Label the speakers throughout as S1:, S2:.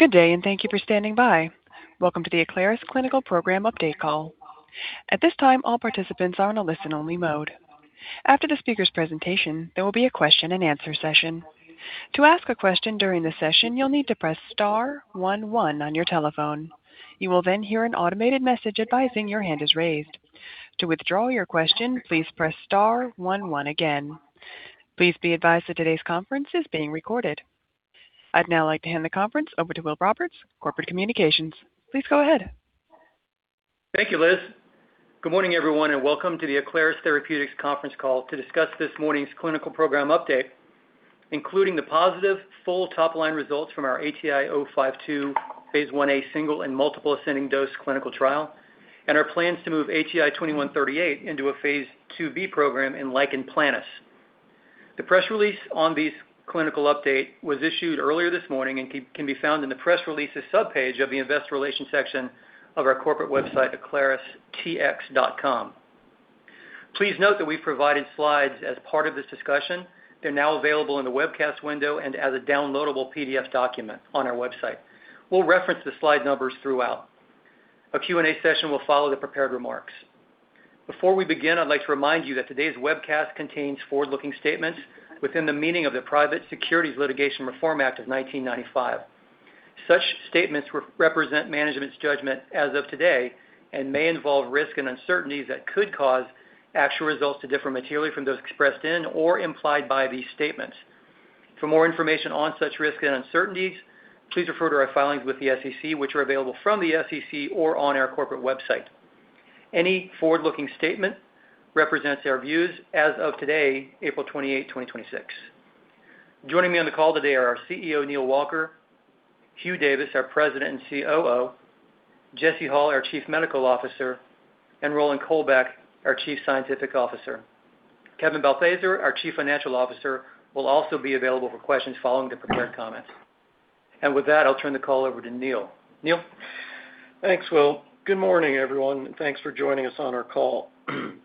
S1: Welcome to the Aclaris Clinical Program Update Call. At this time our participant are only on listening mode. After the speaker presentation, there will be a question and answer session. To ask a question during the session you need to press star one one on your telephone. You will then hear an automated message, advising your hand is raised. To withdraw your question please press star one one again. Please be advised that todays conference is being recorded. I'd now like to hand the conference over to Will Roberts, Corporate Communications. Please go ahead.
S2: Thank you, Liz. Good morning, everyone, and welcome to the Aclaris Therapeutics conference call to discuss this morning's clinical program update, including the positive full top-line results from our ATI-052 phase I-A single and multiple ascending dose clinical trial and our plans to move ATI-2138 into a phase II-B program in lichen planus. The press release on this clinical update was issued earlier this morning and can be found in the press releases subpage of the investor relations section of our corporate website, aclaristx.com. Please note that we've provided slides as part of this discussion. They're now available in the webcast window and as a downloadable PDF document on our website. We'll reference the slide numbers throughout. A Q&A session will follow the prepared remarks. Before we begin, I'd like to remind you that today's webcast contains forward-looking statements within the meaning of the Private Securities Litigation Reform Act of 1995. Such statements represent management's judgment as of today and may involve risk and uncertainties that could cause actual results to differ materially from those expressed in or implied by these statements. For more information on such risks and uncertainties, please refer to our filings with the SEC, which are available from the SEC or on our corporate website. Any forward-looking statement represents our views as of today, April 28, 2026. Joining me on the call today are our CEO, Neal Walker; Hugh Davis, our President and COO; Jesse Hall, our Chief Medical Officer; and Roland Kolbeck, our Chief Scientific Officer. Kevin Balthaser, our Chief Financial Officer, will also be available for questions following the prepared comments. With that, I'll turn the call over to Neal. Neal?
S3: Thanks, Will. Good morning, everyone, and thanks for joining us on our call.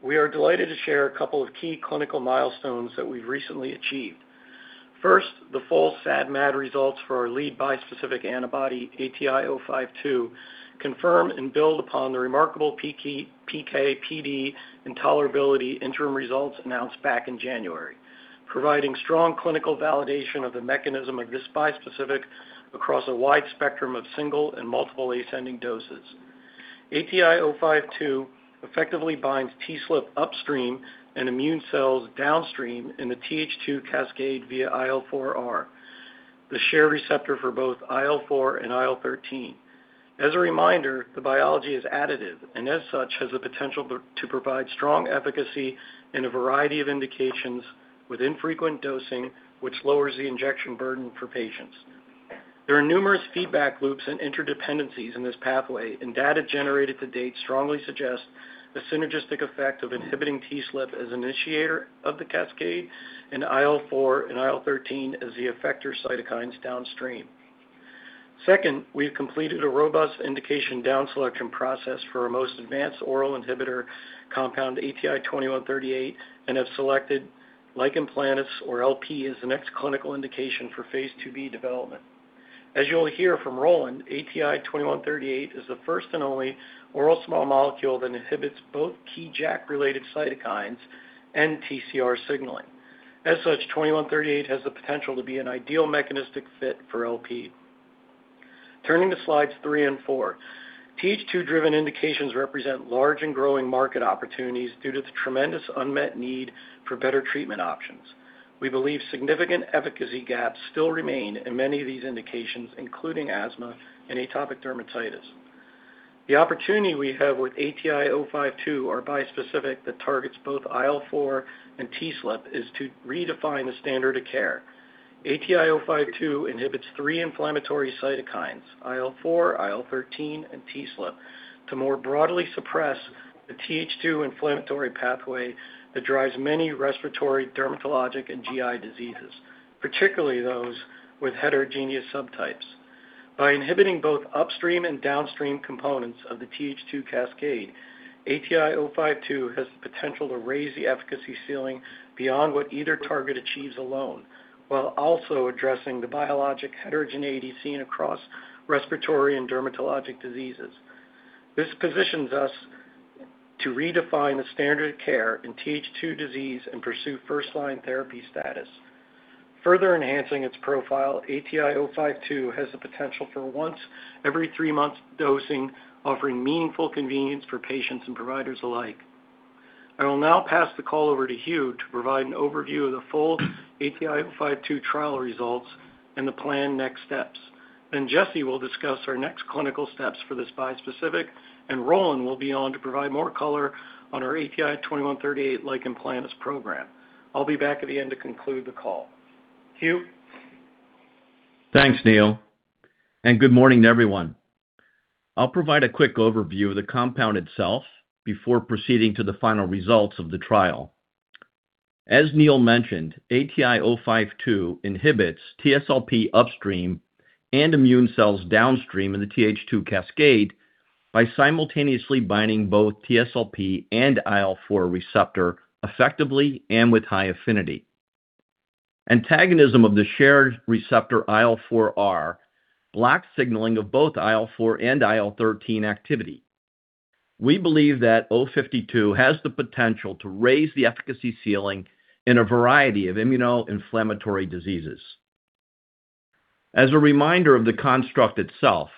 S3: We are delighted to share a couple of key clinical milestones that we've recently achieved. First, the full SAD MAD results for our lead bispecific antibody, ATI-052, confirm and build upon the remarkable PK, PD, and tolerability interim results announced back in January, providing strong clinical validation of the mechanism of this bispecific across a wide spectrum of single and multiple ascending doses. ATI-052 effectively binds TSLP upstream and immune cells downstream in the TH2 cascade via IL-4R, the shared receptor for both IL-4 and IL-13. As a reminder, the biology is additive, and as such, has the potential to provide strong efficacy in a variety of indications with infrequent dosing, which lowers the injection burden for patients. There are numerous feedback loops and interdependencies in this pathway. Data generated to date strongly suggest the synergistic effect of inhibiting TSLP as initiator of the cascade and IL-4 and IL-13 as the effector cytokines downstream. Second, we've completed a robust indication down selection process for our most advanced oral inhibitor compound, ATI-2138, and have selected lichen planus or LP as the next clinical indication for phase IIb development. As you'll hear from Roland, ATI-2138 is the first and only oral small molecule that inhibits both key JAK-related cytokines and TCR signaling. As such, 2138 has the potential to be an ideal mechanistic fit for LP. Turning to slides three and four. TH2-driven indications represent large and growing market opportunities due to the tremendous unmet need for better treatment options. We believe significant efficacy gaps still remain in many of these indications, including asthma and atopic dermatitis. The opportunity we have with ATI-052, our bispecific that targets both IL-4 and TSLP, is to redefine the standard of care. ATI-052 inhibits three inflammatory cytokines, IL-4, IL-13, and TSLP, to more broadly suppress the TH2 inflammatory pathway that drives many respiratory, dermatologic, and GI diseases, particularly those with heterogeneous subtypes. By inhibiting both upstream and downstream components of the TH2 cascade, ATI-052 has the potential to raise the efficacy ceiling beyond what either target achieves alone, while also addressing the biologic heterogeneity seen across respiratory and dermatologic diseases. This positions us to redefine the standard of care in TH2 disease and pursue first-line therapy status. Further enhancing its profile, ATI-052 has the potential for once every three months dosing, offering meaningful convenience for patients and providers alike. I will now pass the call over to Hugh to provide an overview of the full ATI-052 trial results and the planned next steps. Jesse will discuss our next clinical steps for this bispecific, and Roland will be on to provide more color on our ATI-2138 lichen planus program. I'll be back at the end to conclude the call. Hugh?
S4: Thanks, Neal. Good morning to everyone. I'll provide a quick overview of the compound itself before proceeding to the final results of the trial. As Neal mentioned, ATI-052 inhibits TSLP upstream and immune cells downstream in the TH2 cascade, by simultaneously binding both TSLP and IL-4 receptor effectively and with high affinity. Antagonism of the shared receptor IL-4R blocks signaling of both IL-4 and IL-13 activity. We believe that ATI-052 has the potential to raise the efficacy ceiling in a variety of immunoinflammatory diseases. As a reminder of the construct itself,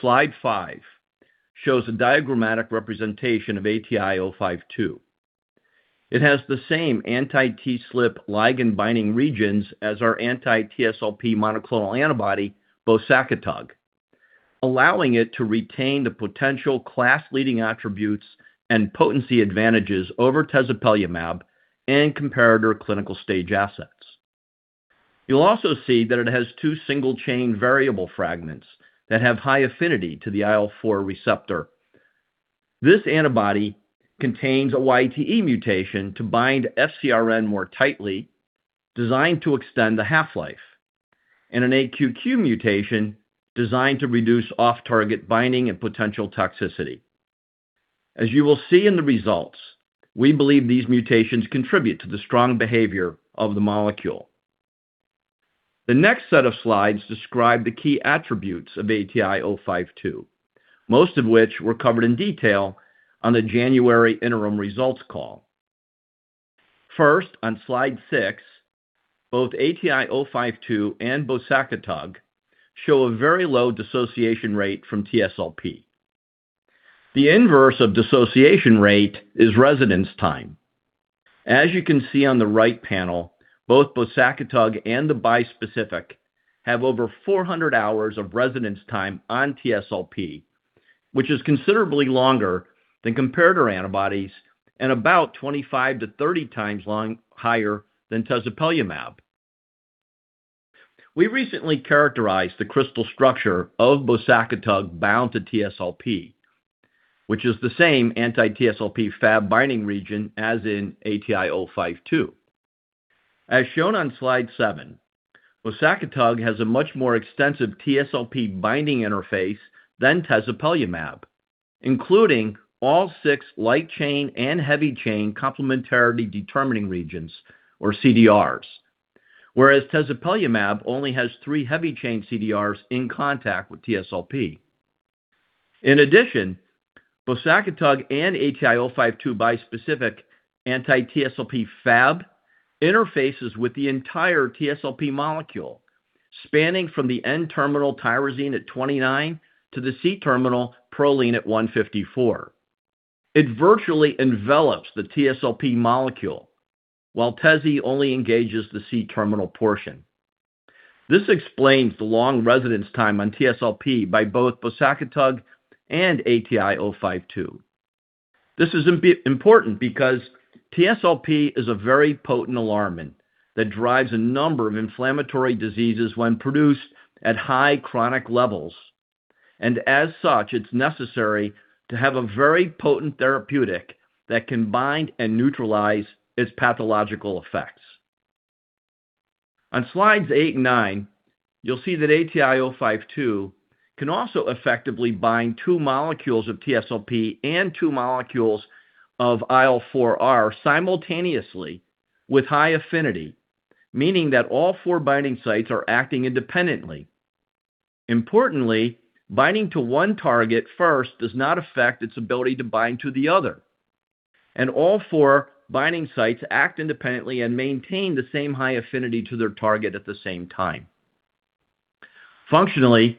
S4: slide five shows a diagrammatic representation of ATI-052. It has the same anti-TSLP ligand binding regions as our anti-TSLP monoclonal antibody, bosakitug, allowing it to retain the potential class-leading attributes and potency advantages over tezepelumab and comparator clinical stage assets. You'll also see that it has 2 single-chain variable fragments that have high affinity to the IL-4 receptor. This antibody contains a YTE mutation to bind FcRn more tightly, designed to extend the half-life, and an AQQ mutation designed to reduce off-target binding and potential toxicity. As you will see in the results, we believe these mutations contribute to the strong behavior of the molecule. The next set of slides describe the key attributes of ATI-052, most of which were covered in detail on the January interim results call. First, on slide six, both ATI-052 and bosakitug show a very low dissociation rate from TSLP. The inverse of dissociation rate is residence time. As you can see on the right panel, both bosakitug and the bispecific have over 400 hours of residence time on TSLP, which is considerably longer than comparator antibodies and about 25-30 times long higher than tezepelumab. We recently characterized the crystal structure of bosakitug bound to TSLP, which is the same anti-TSLP Fab binding region as in ATI-052. As shown on slide seven, bosakitug has a much more extensive TSLP binding interface than tezepelumab, including all six light chain and heavy chain complementarity determining regions, or CDRs, whereas tezepelumab only has three heavy chain CDRs in contact with TSLP. Bosakitug and ATI-052 bispecific anti-TSLP Fab interfaces with the entire TSLP molecule, spanning from the N-terminal tyrosine at 29 to the C-terminal proline at 154. It virtually envelops the TSLP molecule, while tezi only engages the C-terminal portion. This explains the long residence time on TSLP by both bosakitug and ATI-052. This is important because TSLP is a very potent alarmin that drives a number of inflammatory diseases when produced at high chronic levels, as such, it's necessary to have a very potent therapeutic that can bind and neutralize its pathological effects. On slides eight and nine, you'll see that ATI-052 can also effectively bind two molecules of TSLP and two molecules of IL-4R simultaneously with high affinity, meaning that all four binding sites are acting independently. Importantly, binding to one target first does not affect its ability to bind to the other, and all four binding sites act independently and maintain the same high affinity to their target at the same time. Functionally,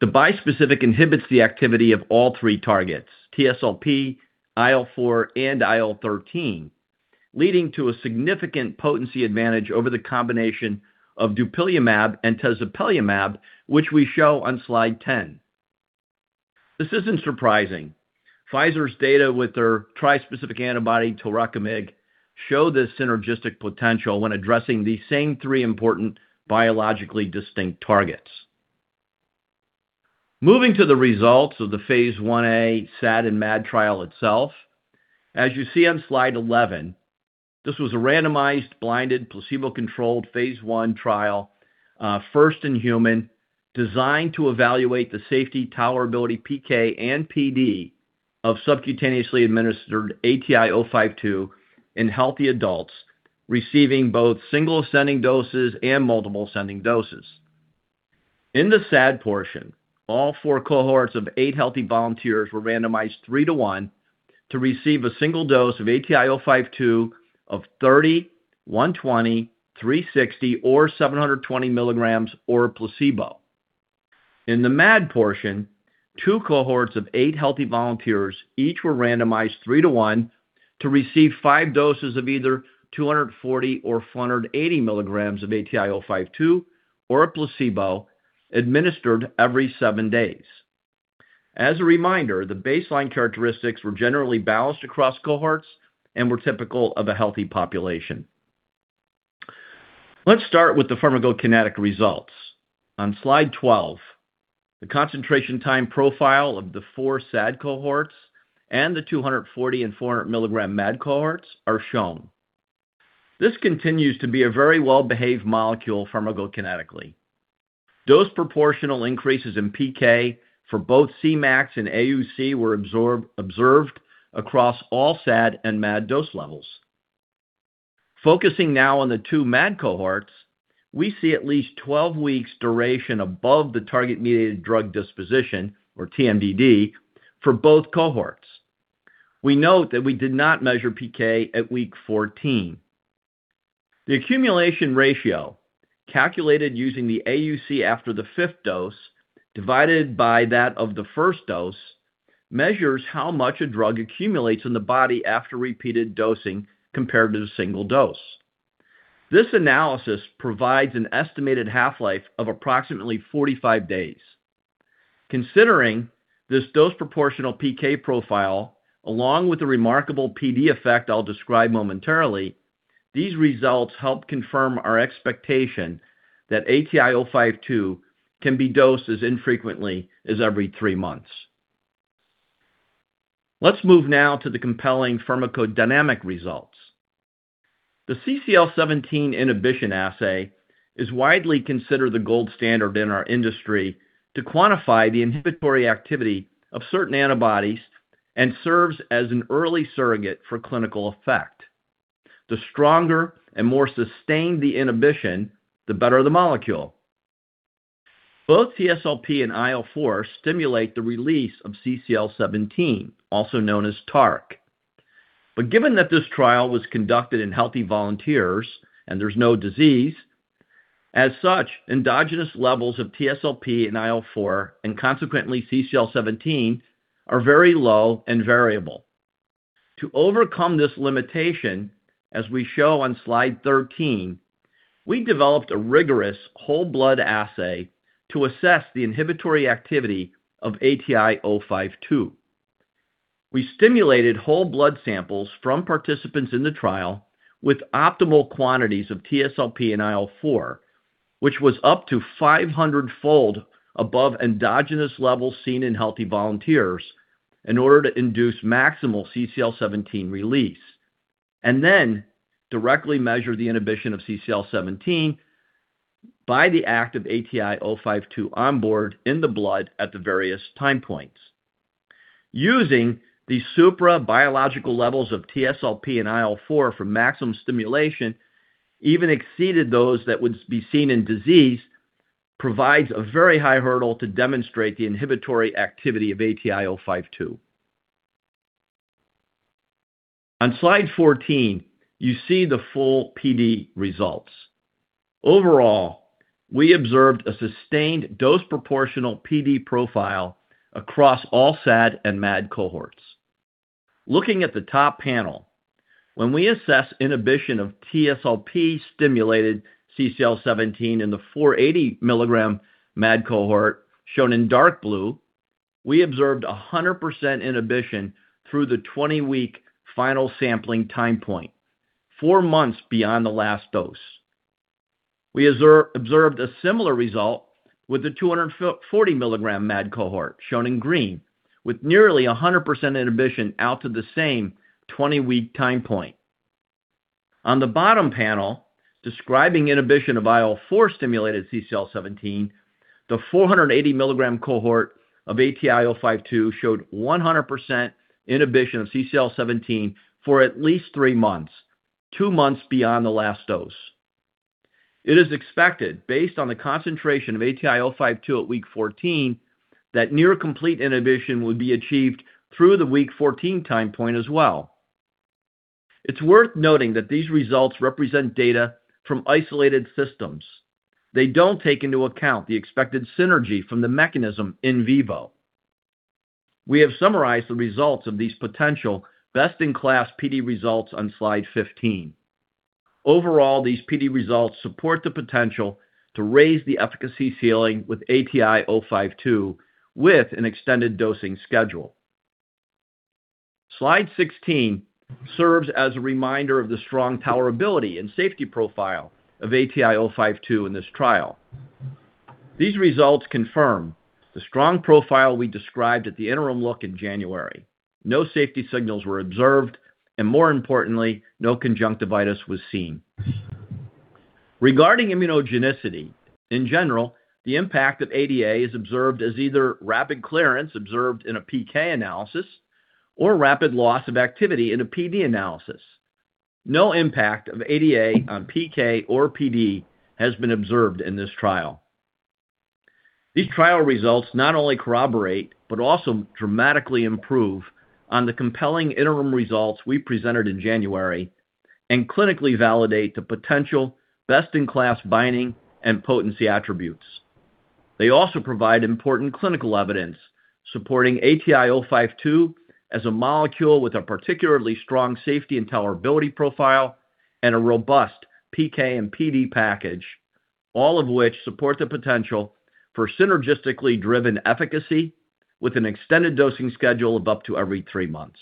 S4: the bispecific inhibits the activity of all three targets, TSLP, IL-4, and IL-13, leading to a significant potency advantage over the combination of dupilumab and tezepelumab, which we show on slide 10. This isn't surprising. Pfizer's data with their trispecific antibody, tilrekimig, show this synergistic potential when addressing these same three important biologically distinct targets. Moving to the results of the phase I-A SAD and MAD trial itself. As you see on slide 11, this was a randomized, blinded, placebo-controlled phase I trial, first in human, designed to evaluate the safety, tolerability, PK, and PD of subcutaneously administered ATI-052 in healthy adults receiving both single-ascending doses and multiple-ascending doses. In the SAD portion, all 4 cohorts of 8 healthy volunteers were randomized 3-to-1 to receive a single dose of ATI-052 of 30 mg, 120 mg, 360 mg, or 720 mg or placebo. In the MAD portion, 2 cohorts of eight healthy volunteers each were randomized 3-to-1 to receive 5 doses of either 240 mg or 480 mg of ATI-052 or a placebo administered every seven days. As a reminder, the baseline characteristics were generally balanced across cohorts and were typical of a healthy population. Let's start with the pharmacokinetic results. On slide 12, the concentration time profile of the 4 SAD cohorts and the 240 mg and 400 mg MAD cohorts are shown. This continues to be a very well-behaved molecule pharmacokinetically. Dose proportional increases in PK for both Cmax and AUC were observed across all SAD and MAD dose levels. Focusing now on the 2 MAD cohorts, we see at least 12 weeks duration above the target-mediated drug disposition or TMDD for both cohorts. We note that we did not measure PK at week 14. The accumulation ratio, calculated using the AUC after the fifth dose divided by that of the first dose, measures how much a drug accumulates in the body after repeated dosing compared to the single dose. This analysis provides an estimated half-life of approximately 45 days. Considering this dose proportional PK profile, along with the remarkable PD effect I'll describe momentarily, these results help confirm our expectation that ATI-052 can be dosed as infrequently as every three months. Let's move now to the compelling pharmacodynamic results. The CCL17 inhibition assay is widely considered the gold standard in our industry to quantify the inhibitory activity of certain antibodies and serves as an early surrogate for clinical effect. The stronger and more sustained the inhibition, the better the molecule. Both TSLP and IL-4 stimulate the release of CCL17, also known as TARC. Given that this trial was conducted in healthy volunteers and there's no disease, as such, endogenous levels of TSLP and IL-4, and consequently CCL17, are very low and variable. To overcome this limitation, as we show on slide 13, we developed a rigorous whole blood assay to assess the inhibitory activity of ATI-052. We stimulated whole blood samples from participants in the trial with optimal quantities of TSLP and IL-4, which was up to 500-fold above endogenous levels seen in healthy volunteers in order to induce maximal CCL17 release, then directly measure the inhibition of CCL17 by the act of ATI-052 onboard in the blood at the various time points. Using the supra biological levels of TSLP and IL-4 for maximum stimulation even exceeded those that would be seen in disease provides a very high hurdle to demonstrate the inhibitory activity of ATI-052. On slide 14, you see the full PD results. Overall, we observed a sustained dose proportional PD profile across all SAD and MAD cohorts. Looking at the top panel, when we assess inhibition of TSLP-stimulated CCL17 in the 480 mg MAD cohort shown in dark blue, we observed 100% inhibition through the 20-week final sampling time point, four months beyond the last dose. We observed a similar result with the 240 mg MAD cohort shown in green, with nearly 100% inhibition out to the same 20-week time point. On the bottom panel describing inhibition of IL-4 stimulated CCL17, the 480 mg cohort of ATI-052 showed 100% inhibition of CCL17 for at least three months, two months beyond the last dose. It is expected, based on the concentration of ATI-052 at week 14, that near complete inhibition would be achieved through the week 14 time point as well. It's worth noting that these results represent data from isolated systems. They don't take into account the expected synergy from the mechanism in vivo. We have summarized the results of these potential best-in-class PD results on slide 15. Overall, these PD results support the potential to raise the efficacy ceiling with ATI-052 with an extended dosing schedule. Slide 16 serves as a reminder of the strong tolerability and safety profile of ATI-052 in this trial. These results confirm the strong profile we described at the interim look in January. No safety signals were observed, and more importantly, no conjunctivitis was seen. Regarding immunogenicity, in general, the impact of ADA is observed as either rapid clearance observed in a PK analysis or rapid loss of activity in a PD analysis. No impact of ADA on PK or PD has been observed in this trial. These trial results not only corroborate, but also dramatically improve on the compelling interim results we presented in January and clinically validate the potential best-in-class binding and potency attributes. They also provide important clinical evidence supporting ATI-052 as a molecule with a particularly strong safety and tolerability profile and a robust PK and PD package, all of which support the potential for synergistically driven efficacy with an extended dosing schedule of up to every three months.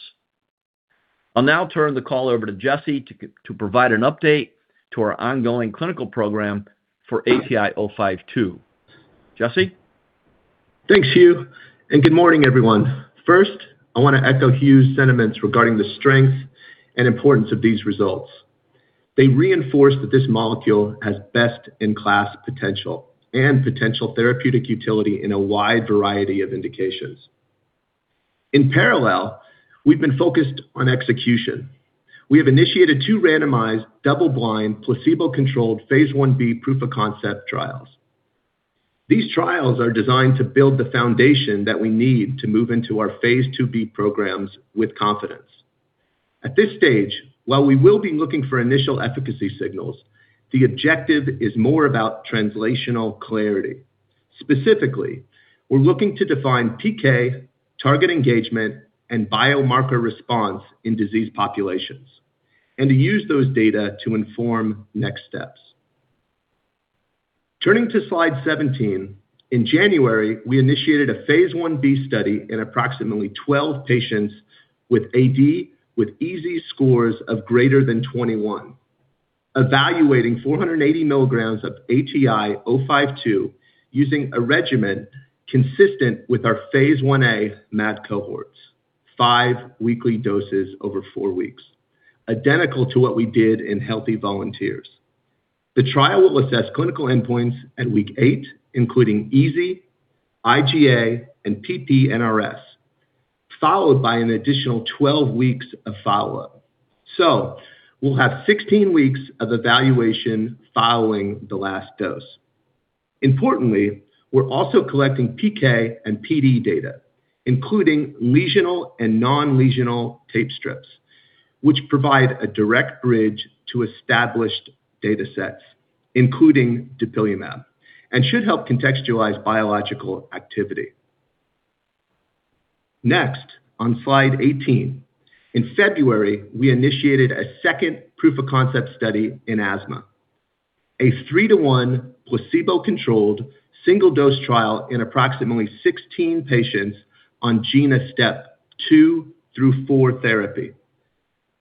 S4: I'll now turn the call over to Jesse to provide an update to our ongoing clinical program for ATI-052. Jesse?
S5: Thanks, Hugh. Good morning, everyone. First, I wanna echo Hugh's sentiments regarding the strength and importance of these results. They reinforce that this molecule has best-in-class potential and potential therapeutic utility in a wide variety of indications. In parallel, we've been focused on execution. We have initiated two randomized double-blind placebo-controlled phase Ib proof-of-concept trials. These trials are designed to build the foundation that we need to move into our phase IIb programs with confidence. At this stage, while we will be looking for initial efficacy signals, the objective is more about translational clarity. Specifically, we're looking to define PK, target engagement, and biomarker response in disease populations, and to use those data to inform next steps. Turning to slide 17, in January, we initiated a phase Ib study in approximately 12 patients with AD, with EASI scores of greater than 21, evaluating 480 mg of ATI-052 using a regimen consistent with our phase I-A MAD cohorts, five weekly doses over 4 weeks, identical to what we did in healthy volunteers. The trial will assess clinical endpoints at week eight, including EASI, IGA, and PP-NRS, followed by an additional 12 weeks of follow-up. We'll have 16 weeks of evaluation following the last dose. Importantly, we're also collecting PK and PD data, including lesional and non-lesional tape strips, which provide a direct bridge to established data sets, including dupilumab, and should help contextualize biological activity. Next, on slide 18, in February, we initiated a second proof-of-concept study in asthma, a 3-to-1 placebo-controlled single-dose trial in approximately 16 patients on GINA step 2 through 4 therapy.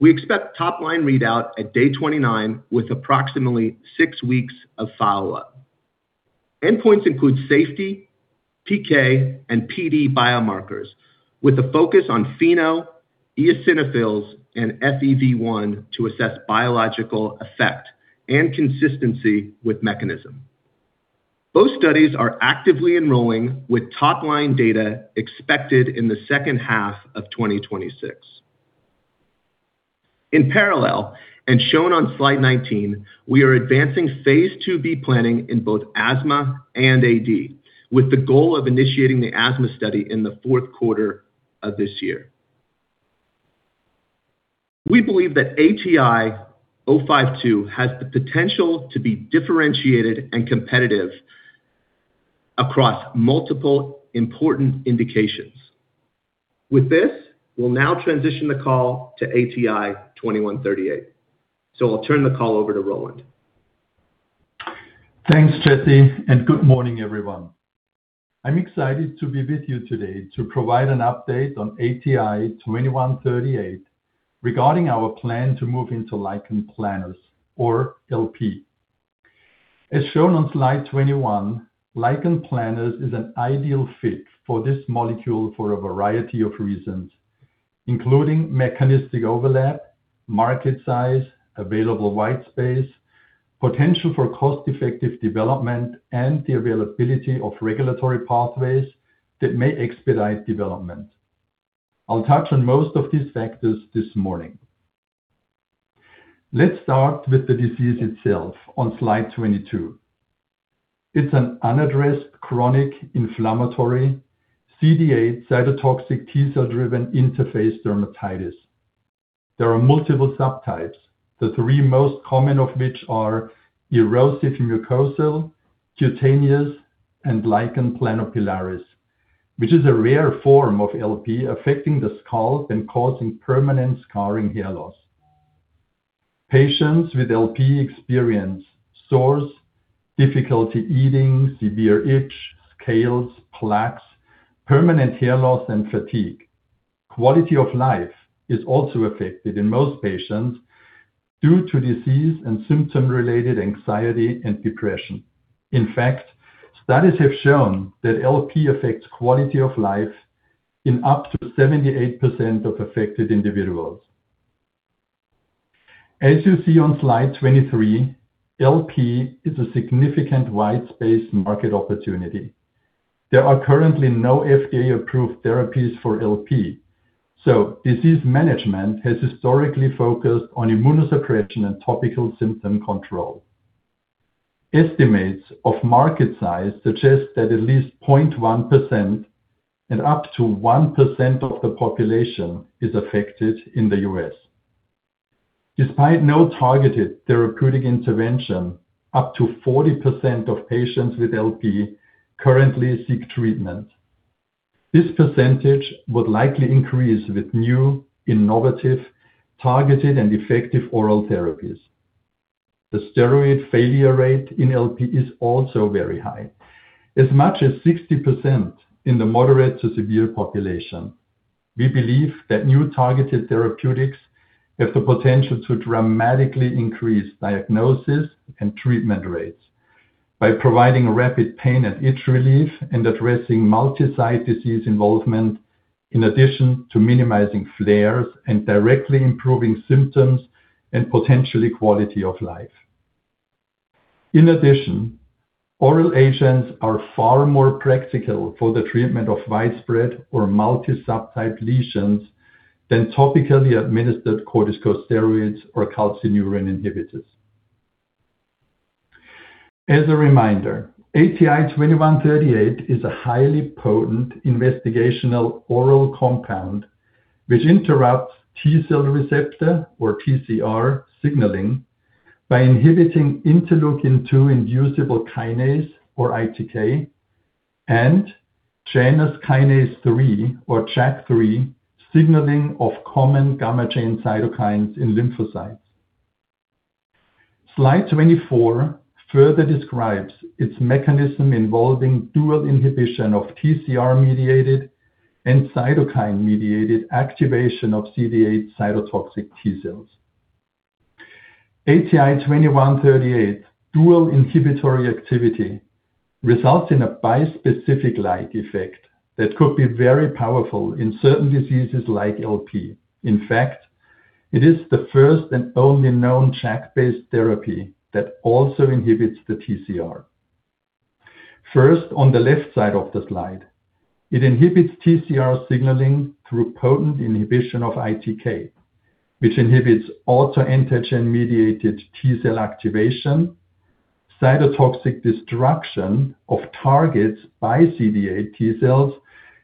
S5: We expect top-line readout at day 29 with approximately six weeks of follow-up. Endpoints include safety, PK, and PD biomarkers with a focus on FeNO, eosinophils, and FEV1 to assess biological effect and consistency with mechanism. Both studies are actively enrolling with top-line data expected in the second half of 2026. In parallel, and shown on slide 19, we are advancing phase IIb planning in both asthma and AD, with the goal of initiating the asthma study in the 4th quarter of this year. We believe that ATI-052 has the potential to be differentiated and competitive across multiple important indications. With this, we'll now transition the call to ATI-2138. I'll turn the call over to Roland.
S6: Thanks, Jesse, and good morning, everyone. I'm excited to be with you today to provide an update on ATI-2138 regarding our plan to move into lichen planus or LP. As shown on slide 21, lichen planus is an ideal fit for this molecule for a variety of reasons, including mechanistic overlap, market size, available wide space, potential for cost-effective development, and the availability of regulatory pathways that may expedite development. I'll touch on most of these factors this morning. Let's start with the disease itself on slide 22. It's an unaddressed chronic inflammatory CD8 cytotoxic T-cell driven interface dermatitis. There are multiple subtypes, the three most common of which are erosive mucosal, cutaneous, and lichen planopilaris, which is a rare form of LP affecting the scalp and causing permanent scarring hair loss. Patients with LP experience sores, difficulty eating, severe itch, scales, plaques, permanent hair loss, and fatigue. Quality of life is also affected in most patients due to disease and symptom-related anxiety and depression. In fact, studies have shown that LP affects quality of life in up to 78% of affected individuals. As you see on slide 23, LP is a significant wide space market opportunity. There are currently no FDA-approved therapies for LP, so disease management has historically focused on immunosuppression and topical symptom control. Estimates of market size suggest that at least 0.1% and up to 1% of the population is affected in the U.S. Despite no targeted therapeutic intervention, up to 40% of patients with LP currently seek treatment. This percentage would likely increase with new, innovative, targeted, and effective oral therapies. The steroid failure rate in LP is also very high, as much as 60% in the moderate to severe population. We believe that new targeted therapeutics have the potential to dramatically increase diagnosis and treatment rates by providing rapid pain and itch relief and addressing multi-site disease involvement, in addition to minimizing flares and directly improving symptoms and potentially quality of life. In addition, oral agents are far more practical for the treatment of widespread or multi-subtype lesions than topically administered corticosteroids or calcineurin inhibitors. As a reminder, ATI-2138 is a highly potent investigational oral compound which interrupts T cell receptor, or TCR, signaling by inhibiting interleukin-2-inducible kinase, or ITK, and Janus kinase 3, or JAK3, signaling of common gamma chain cytokines in lymphocytes. Slide 24 further describes its mechanism involving dual inhibition of TCR-mediated and cytokine-mediated activation of CD8 cytotoxic T cells. ATI-2138 dual inhibitory activity results in a bispecific like effect that could be very powerful in certain diseases like LP. In fact, it is the first and only known JAK-based therapy that also inhibits the TCR. First, on the left side of the slide, it inhibits TCR signaling through potent inhibition of ITK, which inhibits autoantigen-mediated T cell activation, cytotoxic destruction of targets by CD8 T cells,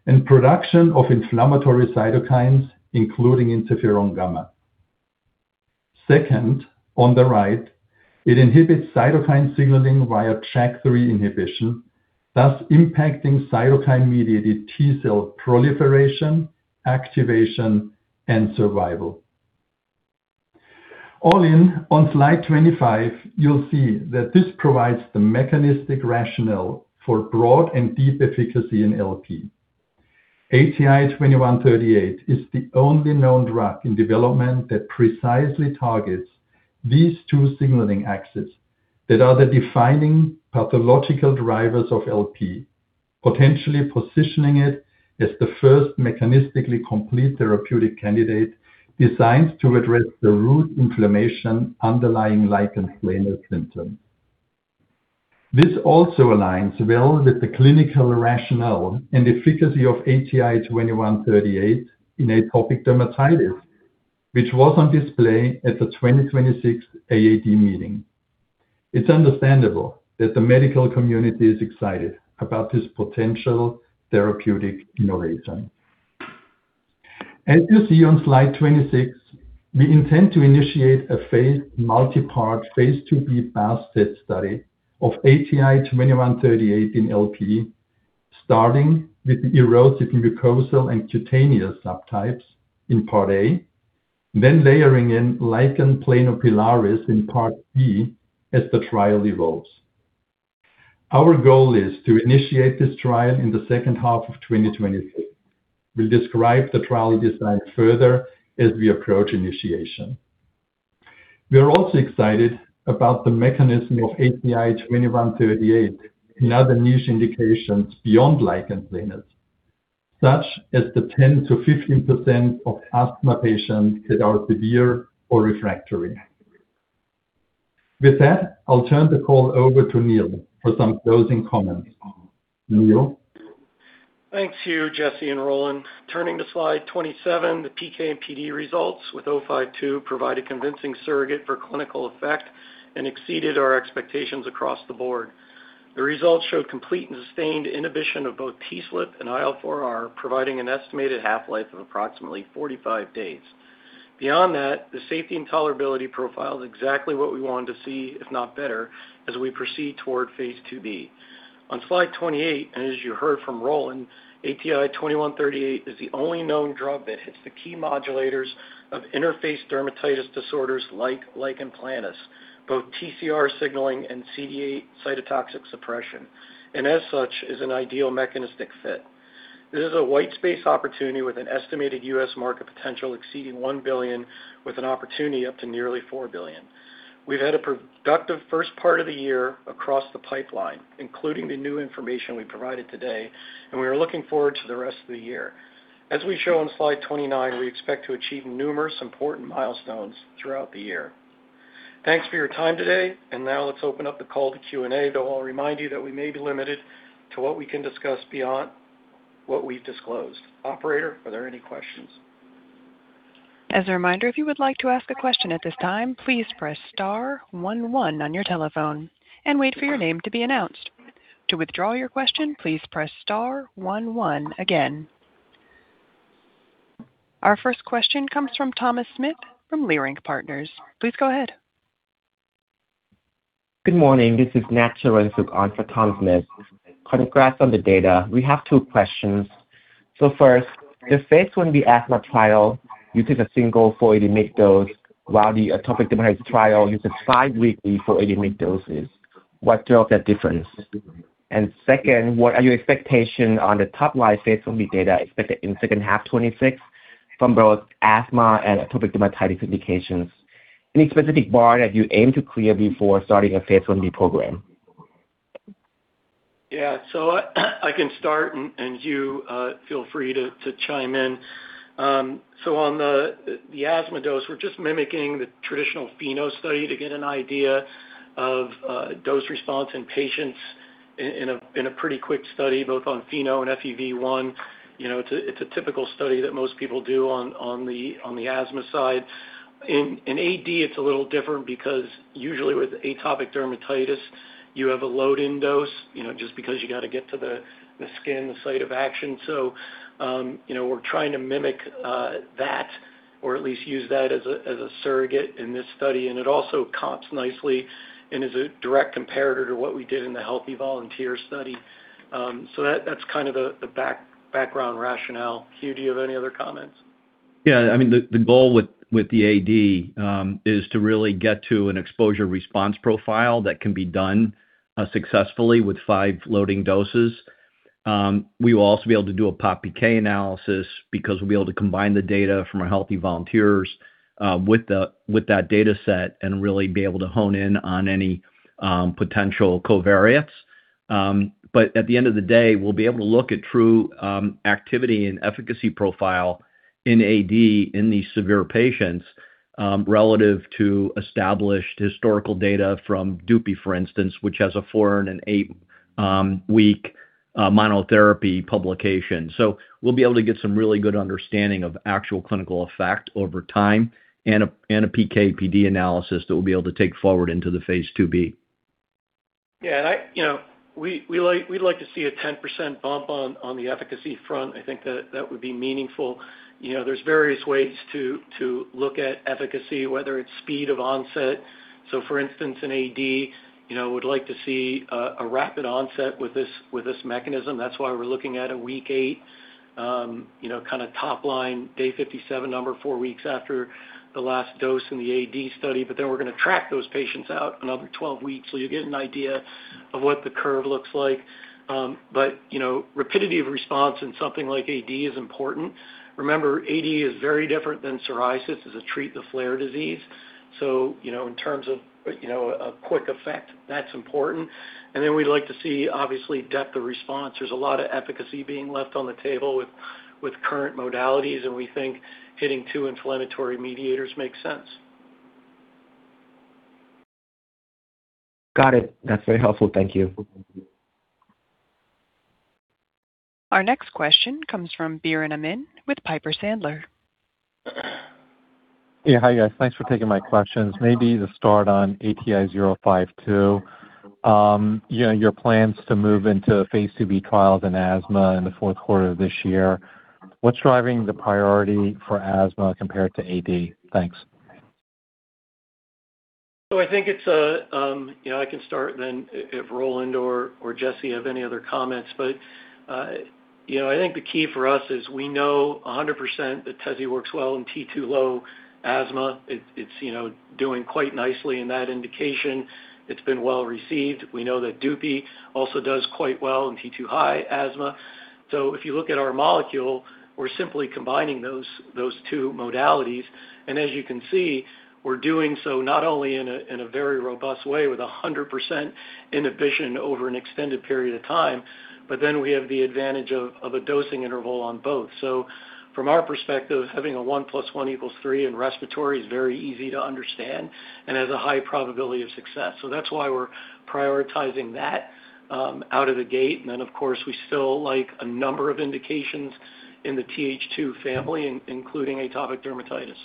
S6: and production of inflammatory cytokines, including interferon gamma. Second, on the right, it inhibits cytokine signaling via JAK3 inhibition, thus impacting cytokine-mediated T cell proliferation, activation, and survival. All in, on slide 25, you'll see that this provides the mechanistic rationale for broad and deep efficacy in LP. ATI-2138 is the only known drug in development that precisely targets these two signaling axes that are the defining pathological drivers of LP, potentially positioning it as the first mechanistically complete therapeutic candidate designed to address the root inflammation underlying lichen planus symptoms. This also aligns well with the clinical rationale and efficacy of ATI-2138 in atopic dermatitis, which was on display at the 2026 AAD meeting. It's understandable that the medical community is excited about this potential therapeutic innovation. As you see on slide 26, we intend to initiate a phase IIb basket study of ATI-2138 in LP, starting with the erosive mucosal and cutaneous subtypes in part A, then layering in lichen planopilaris in part B as the trial evolves. Our goal is to initiate this trial in the second half of 2023. We'll describe the trial design further as we approach initiation. We are also excited about the mechanism of ATI-2138 in other niche indications beyond lichen planus, such as the 10%-15% of asthma patients that are severe or refractory. With that, I'll turn the call over to Neal for some closing comments. Neal?
S3: Thanks to you, Jesse and Roland. Turning to slide 27, the PK and PD results with 052 provide a convincing surrogate for clinical effect and exceeded our expectations across the board. The results showed complete and sustained inhibition of both TSLP and IL-4R, providing an estimated half-life of approximately 45 days. The safety and tolerability profile is exactly what we wanted to see, if not better, as we proceed toward phase IIb, on slide 28 as you heard from Roland, ATI-2138 is the only known drug that hits the key modulators of interface dermatitis disorders like lichen planus, both TCR signaling and CD8 cytotoxic suppression, and as such, is an ideal mechanistic fit. This is a white space opportunity with an estimated U.S. market potential exceeding $1 billion, with an opportunity up to nearly $4 billion. We've had a productive first part of the year across the pipeline, including the new information we provided today, and we are looking forward to the rest of the year. As we show on slide 29, we expect to achieve numerous important milestones throughout the year. Thanks for your time today, and now let's open up the call to Q&A, though I'll remind you that we may be limited to what we can discuss beyond what we've disclosed. Operator, are there any questions?
S1: As a reminder, if you would like to ask a question at this time, please press star one one on your telephone and wait for your name to be announced. To withdraw your question, please press star one one again. Our first question comes from Thomas Smith from Leerink Partners. Please go ahead.
S7: Good morning. This is Nat Charoensook on for Thomas Smith. Congrats on the data. We have two questions. First, the phase Ib asthma trial uses a single 480 mg dose, while the atopic dermatitis trial uses biweekly 480 mg doses. What drove that difference? Second, what are your expectation on the top line phase Ib data expected in second half 2026 from both asthma and atopic dermatitis indications? Any specific bar that you aim to clear before starting a phase Ib program?
S3: Yeah. I can start and you feel free to chime in. On the asthma dose, we're just mimicking the traditional pheno study to get an idea of dose response in patients in a pretty quick study, both on pheno and FEV1. You know, it's a typical study that most people do on the asthma side. In AD, it's a little different because usually with atopic dermatitis, you have a load-in dose, you know, just because you gotta get to the skin, the site of action. You know, we're trying to mimic that or at least use that as a surrogate in this study, and it also comps nicely and is a direct comparator to what we did in the healthy volunteer study. That's kind of the background rationale. Hugh, do you have any other comments?
S4: I mean, the goal with the AD is to really get to an exposure response profile that can be done successfully with five loading doses. We will also be able to do a pop PK analysis because we'll be able to combine the data from our healthy volunteers with that data set and really be able to hone in on any potential covariates. At the end of the day, we'll be able to look at true activity and efficacy profile in AD in these severe patients relative to established historical data from Dupixent, for instance, which has a four and an eight week monotherapy publication. We'll be able to get some really good understanding of actual clinical effect over time and a PK/PD analysis that we'll be able to take forward into the phase IIb.
S3: Yeah. We'd like to see a 10% bump on the efficacy front. I think that that would be meaningful. You know, there's various ways to look at efficacy, whether it's speed of onset. For instance, in AD, you know, we'd like to see a rapid onset with this mechanism. That's why we're looking at a week eight, you know, kind of top line day 57, number four weeks after the last dose in the AD study. We're going to track those patients out another 12 weeks, so you'll get an idea of what the curve looks like. You know, rapidity of response in something like AD is important. Remember, AD is very different than psoriasis. It's a treat the flare disease. You know, in terms of, you know, a quick effect, that's important. We'd like to see obviously depth of response. There's a lot of efficacy being left on the table with current modalities, and we think hitting two inflammatory mediators makes sense.
S7: Got it. That's very helpful. Thank you.
S1: Our next question comes from Biren Amin with Piper Sandler.
S8: Yeah. Hi, guys. Thanks for taking my questions. Maybe to start on ATI-052. You know, your plans to move into phase IIb trials in asthma in the fourth quarter of this year, what's driving the priority for asthma compared to AD? Thanks.
S3: I can start if Roland or Jesse have any other comments. I think the key for us is we know 100% that tezepelumab works well in T2-low asthma. It's, you know, doing quite nicely in that indication. It's been well-received. We know that Dupixent also does quite well in T2-high asthma. If you look at our molecule, we're simply combining those two modalities. As you can see, we're doing so not only in a very robust way with 100% inhibition over an extended period of time, but then we have the advantage of a dosing interval on both. From our perspective, having a 1+1=3 in respiratory is very easy to understand and has a high probability of success. That's why we're prioritizing that out of the gate. Of course, we still like a number of indications in the TH2 family, including atopic dermatitis.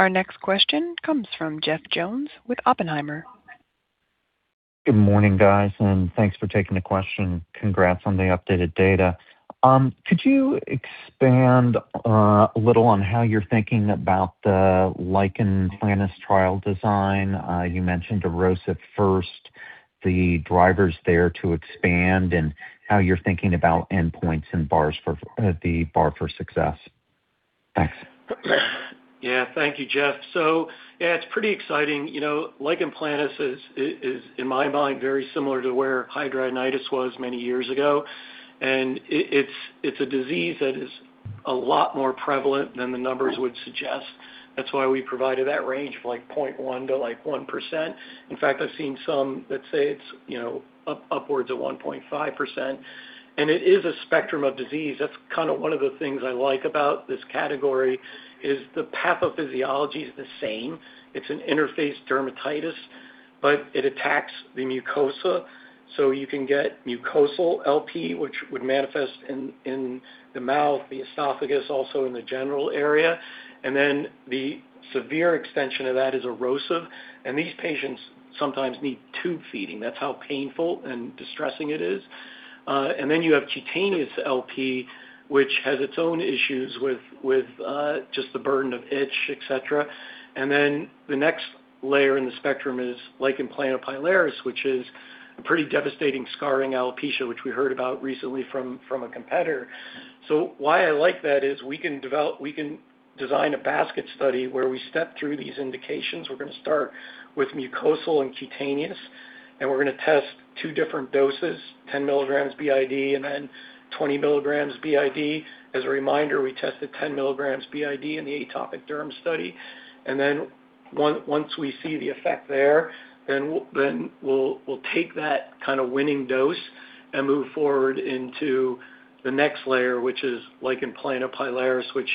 S1: Our next question comes from Jeff Jones with Oppenheimer.
S9: Good morning, guys, and thanks for taking the question. Congrats on the updated data. Could you expand a little on how you're thinking about the lichen planus trial design? You mentioned erosive first, the drivers there to expand and how you're thinking about endpoints and bars for the bar for success. Thanks.
S3: Yeah. Thank you, Jeff. Yeah, it's pretty exciting. You know lichen planus is in my mind very similar to where hidradenitis was many years ago. It's a disease that is a lot more prevalent than the numbers would suggest. That's why we provided that range of like 0.1% to like 1%. In fact, I've seen some that say it's, you know, upwards of 1.5%. It is a spectrum of disease. That's kinda one of the things I like about this category is the pathophysiology is the same. It's an interface dermatitis, it attacks the mucosa. You can get mucosal LP, which would manifest in the mouth, the esophagus, also in the general area. The severe extension of that is erosive, and these patients sometimes need tube feeding. That's how painful and distressing it is. Then you have cutaneous LP, which has its own issues with the burden of itch, etc. The next layer in the spectrum is lichen planopilaris, which is a pretty devastating scarring alopecia, which we heard about recently from a competitor. Why I like that is we can design a basket study where we step through these indications. We're gonna start with mucosal and cutaneous, and we're gonna test two different doses, 10 mg BID, 20 mg BID. As a reminder, we tested 10 mg BID in the atopic derm study. Once we see the effect there, then we'll take that kinda winning dose and move forward into the next layer, which is lichen planopilaris, which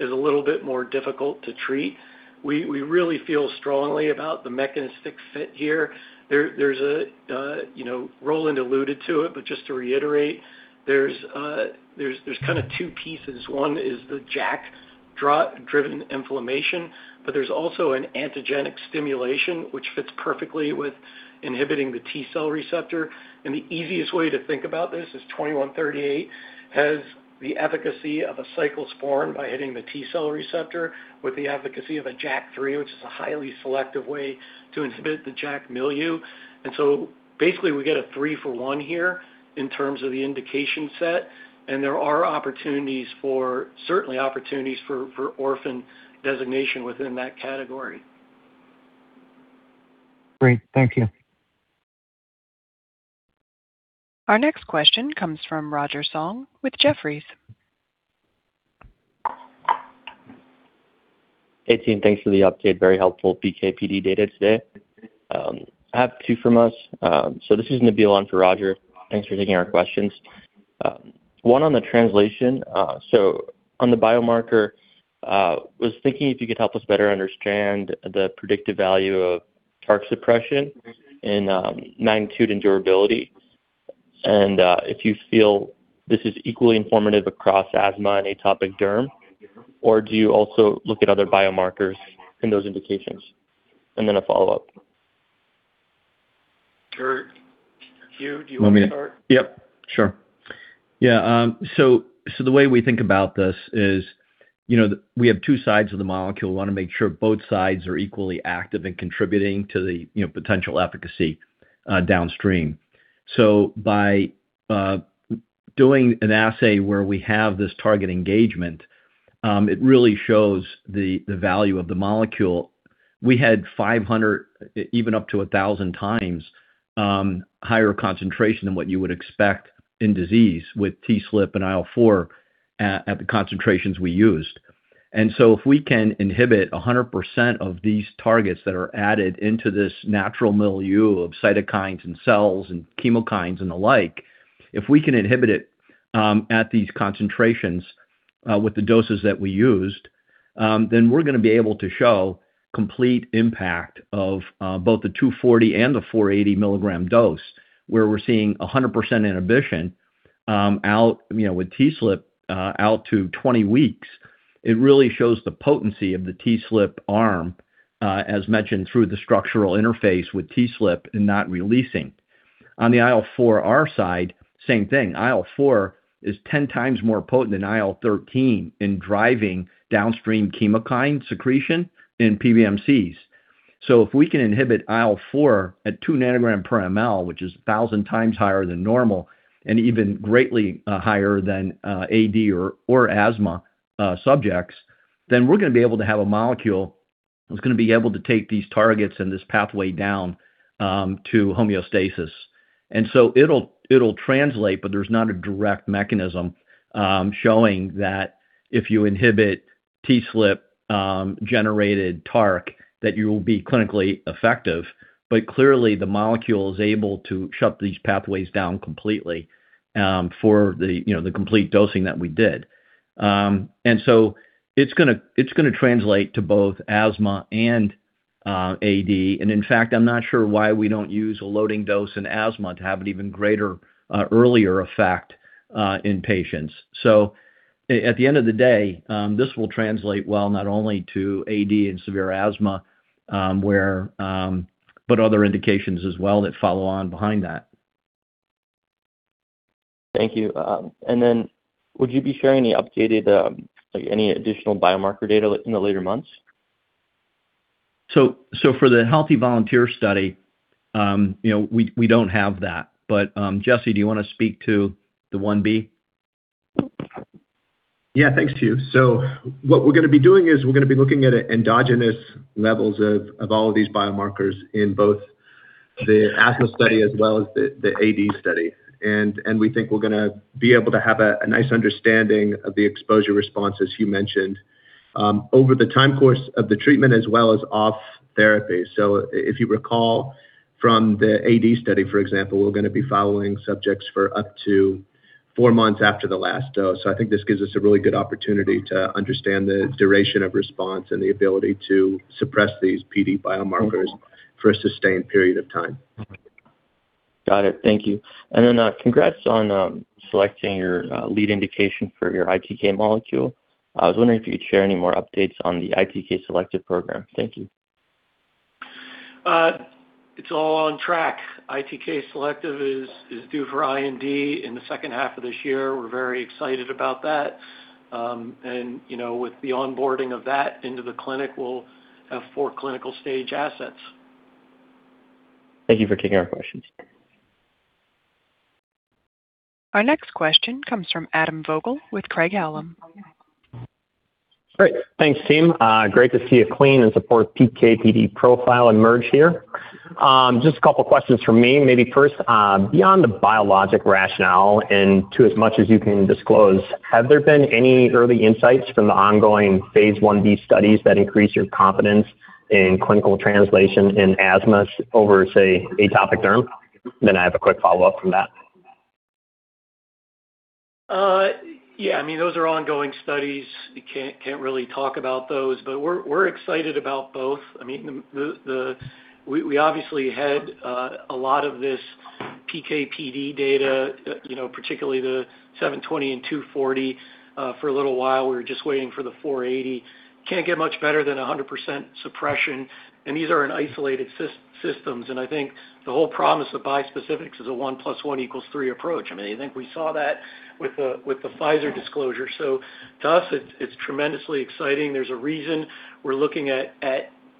S3: is a little bit more difficult to treat. We really feel strongly about the mechanistic fit here. You know, Roland alluded to it, but just to reiterate, there's kinda two pieces. One is the JAK-driven inflammation, but there's also an antigenic stimulation, which fits perfectly with inhibiting the TCR. The easiest way to think about this is ATI-2138 has the efficacy of a cyclosporine by hitting the TCR with the efficacy of a JAK3, which is a highly selective way to inhibit the JAK milieu. Basically, we get a three for one here in terms of the indication set, and there are opportunities for, certainly opportunities for orphan designation within that category.
S9: Great. Thank you.
S1: Our next question comes from Roger Song with Jefferies.
S10: Hey, team. Thanks for the update. Very helpful PK/PD data today. I have two from us. This is Nabeel Nissar on for Roger Song. Thanks for taking our questions. One on the translation. On the biomarker, was thinking if you could help us better understand the predictive value of TARC suppression in magnitude and durability, and if you feel this is equally informative across asthma and atopic derm, or do you also look at other biomarkers in those indications? A follow-up.
S3: Hugh, do you wanna start?
S4: Yep. Sure. Yeah, the way we think about this is, we have two sides of the molecule. We wanna make sure both sides are equally active in contributing to the potential efficacy downstream. By doing an assay where we have this target engagement, it really shows the value of the molecule. We had 500, even up to 1,000 times, higher concentration than what you would expect in disease with TSLP and IL-4 at the concentrations we used. If we can inhibit 100% of these targets that are added into this natural milieu of cytokines and cells and chemokines and the like, if we can inhibit it at these concentrations with the doses that we used, then we're going to be able to show complete impact of both the 240 mg and the 480 mg dose, where we're seeing 100% inhibition, out, you know, with TSLP, out to 20 weeks. It really shows the potency of the TSLP arm, as mentioned through the structural interface with TSLP and not releasing. On the IL-4R side, same thing. IL-4 is 10 times more potent than IL-13 in driving downstream chemokine secretion in PBMCs. If we can inhibit IL-4 at 2 ng/mL, which is 1,000 times higher than normal and even greatly higher than AD or asthma subjects, then we're gonna be able to have a molecule that's gonna be able to take these targets and this pathway down to homeostasis. It'll translate, but there's not a direct mechanism showing that if you inhibit TSLP generated TARC, that you'll be clinically effective. Clearly, the molecule is able to shut these pathways down completely for the, you know, the complete dosing that we did. It's gonna translate to both asthma and AD. In fact, I'm not sure why we don't use a loading dose in asthma to have an even greater earlier effect in patients. At the end of the day, this will translate well not only to AD and severe asthma, where, but other indications as well that follow on behind that.
S10: Thank you. Would you be sharing any updated, like any additional biomarker data in the later months?
S4: For the healthy volunteer study, you know, we don't have that. Jesse, do you wanna speak to the Ib?
S5: Thanks, Hugh. What we're going to be doing is we're going to be looking at endogenous levels of all of these biomarkers in both the asthma study as well as the AD study. We think we're going to be able to have a nice understanding of the exposure response, as Hugh mentioned, over the time course of the treatment as well as off therapy. If you recall from the AD study, for example, we're going to be following subjects for up to four months after the last dose. I think this gives us a really good opportunity to understand the duration of response and the ability to suppress these PD biomarkers for a sustained period of time.
S10: Got it. Thank you. Congrats on selecting your lead indication for your ITK molecule. I was wondering if you could share any more updates on the ITK selective program. Thank you.
S3: It's all on track. ITK selective is due for IND in the second half of this year. We're very excited about that. You know, with the onboarding of that into the clinic, we'll have 4 clinical stage assets.
S10: Thank you for taking our questions.
S1: Our next question comes from Adam Vogel with Craig-Hallum.
S11: Great. Thanks, team. Great to see a clean and support PK/PD profile emerge here. Just a couple questions from me. Maybe first, beyond the biologic rationale, and to as much as you can disclose, have there been any early insights from the ongoing phase Ib studies that increase your confidence in clinical translation in asthma over, say, atopic derm? I have a quick follow-up from that.
S3: Yeah, I mean, those are ongoing studies. You can't really talk about those, but we're excited about both. I mean, we obviously had a lot of this PK/PD data, you know, particularly the 720 and 240, for a little while. We were just waiting for the 480. Can't get much better than 100% suppression, and these are in isolated systems. I think the whole promise of bispecifics is a 1+1 = 3 approach. I mean, I think we saw that with the Pfizer disclosure. To us, it's tremendously exciting. There's a reason we're looking at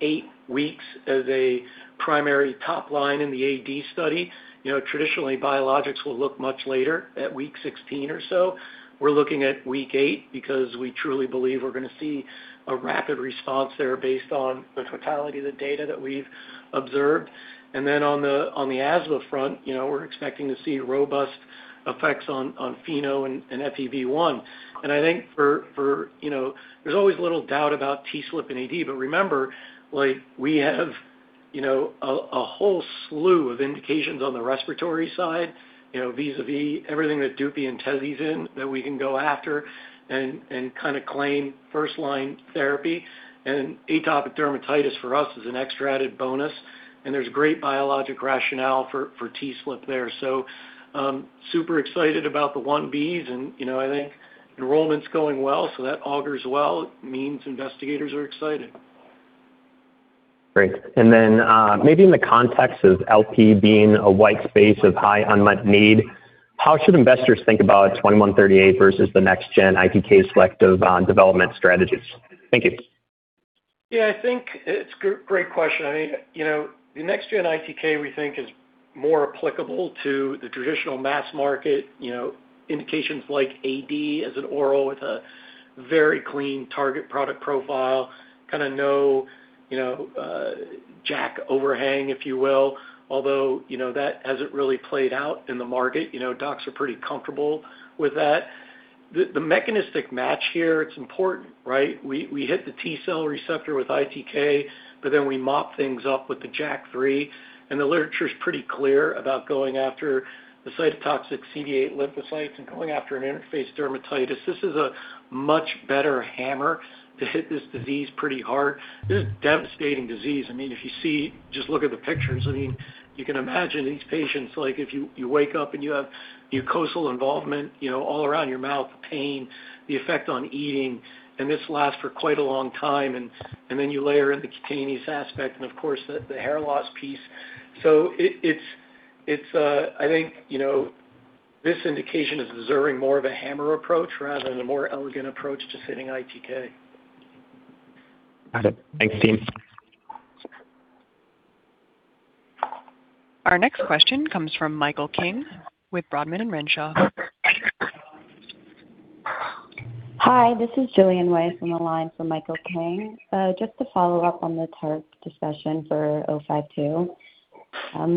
S3: eight weeks as a primary top line in the AD study. You know, traditionally, biologics will look much later, at week 16 or so. We're looking at week eight because we truly believe we're gonna see a rapid response there based on the totality of the data that we've observed. On the asthma front, you know, we're expecting to see robust effects on FeNO and FEV1. I think there's always a little doubt about TSLP and AD, but remember, like, we have a whole slew of indications on the respiratory side, you know, vis-a-vis everything that Dupixent and Tezspire's in that we can go after and kinda claim first line therapy. Atopic dermatitis for us is an extra added bonus, and there's great biologic rationale for TSLP there. Super excited about the phase Ibs and, you know, I think enrollment's going well, that augers well. It means investigators are excited.
S11: Great. Maybe in the context of LP being a wide space of high unmet need, how should investors think about 2138 versus the next gen ITK selective, development strategies? Thank you.
S3: I think it's great question. I mean, you know, the next gen ITK, we think is more applicable to the traditional mass market, you know, indications like AD as an oral with a very clean target product profile, kinda no, you know, JAK overhang, if you will. Although, you know, that hasn't really played out in the market. You know, docs are pretty comfortable with that. The mechanistic match here, it's important, right? We hit the T-cell receptor with ITK, but then we mop things up with the JAK3, and the literature's pretty clear about going after the cytotoxic CD8 lymphocytes and going after an interface dermatitis. This is a much better hammer to hit this disease pretty hard. This is a devastating disease. I mean, if you see. Just look at the pictures. I mean, you can imagine these patients, like if you wake up and you have mucosal involvement, you know, all around your mouth, pain, the effect on eating, and this lasts for quite a long time, and, then you layer in the cutaneous aspect and of course the hair loss piece. This indication is deserving more of a hammer approach rather than a more elegant approach to hitting ITK.
S11: Got it. Thanks, team.
S1: Our next question comes from Michael King with Rodman & Renshaw
S12: Hi, this is Jillian Weiss on the line for Michael King. Just to follow up on the TARC discussion for 052.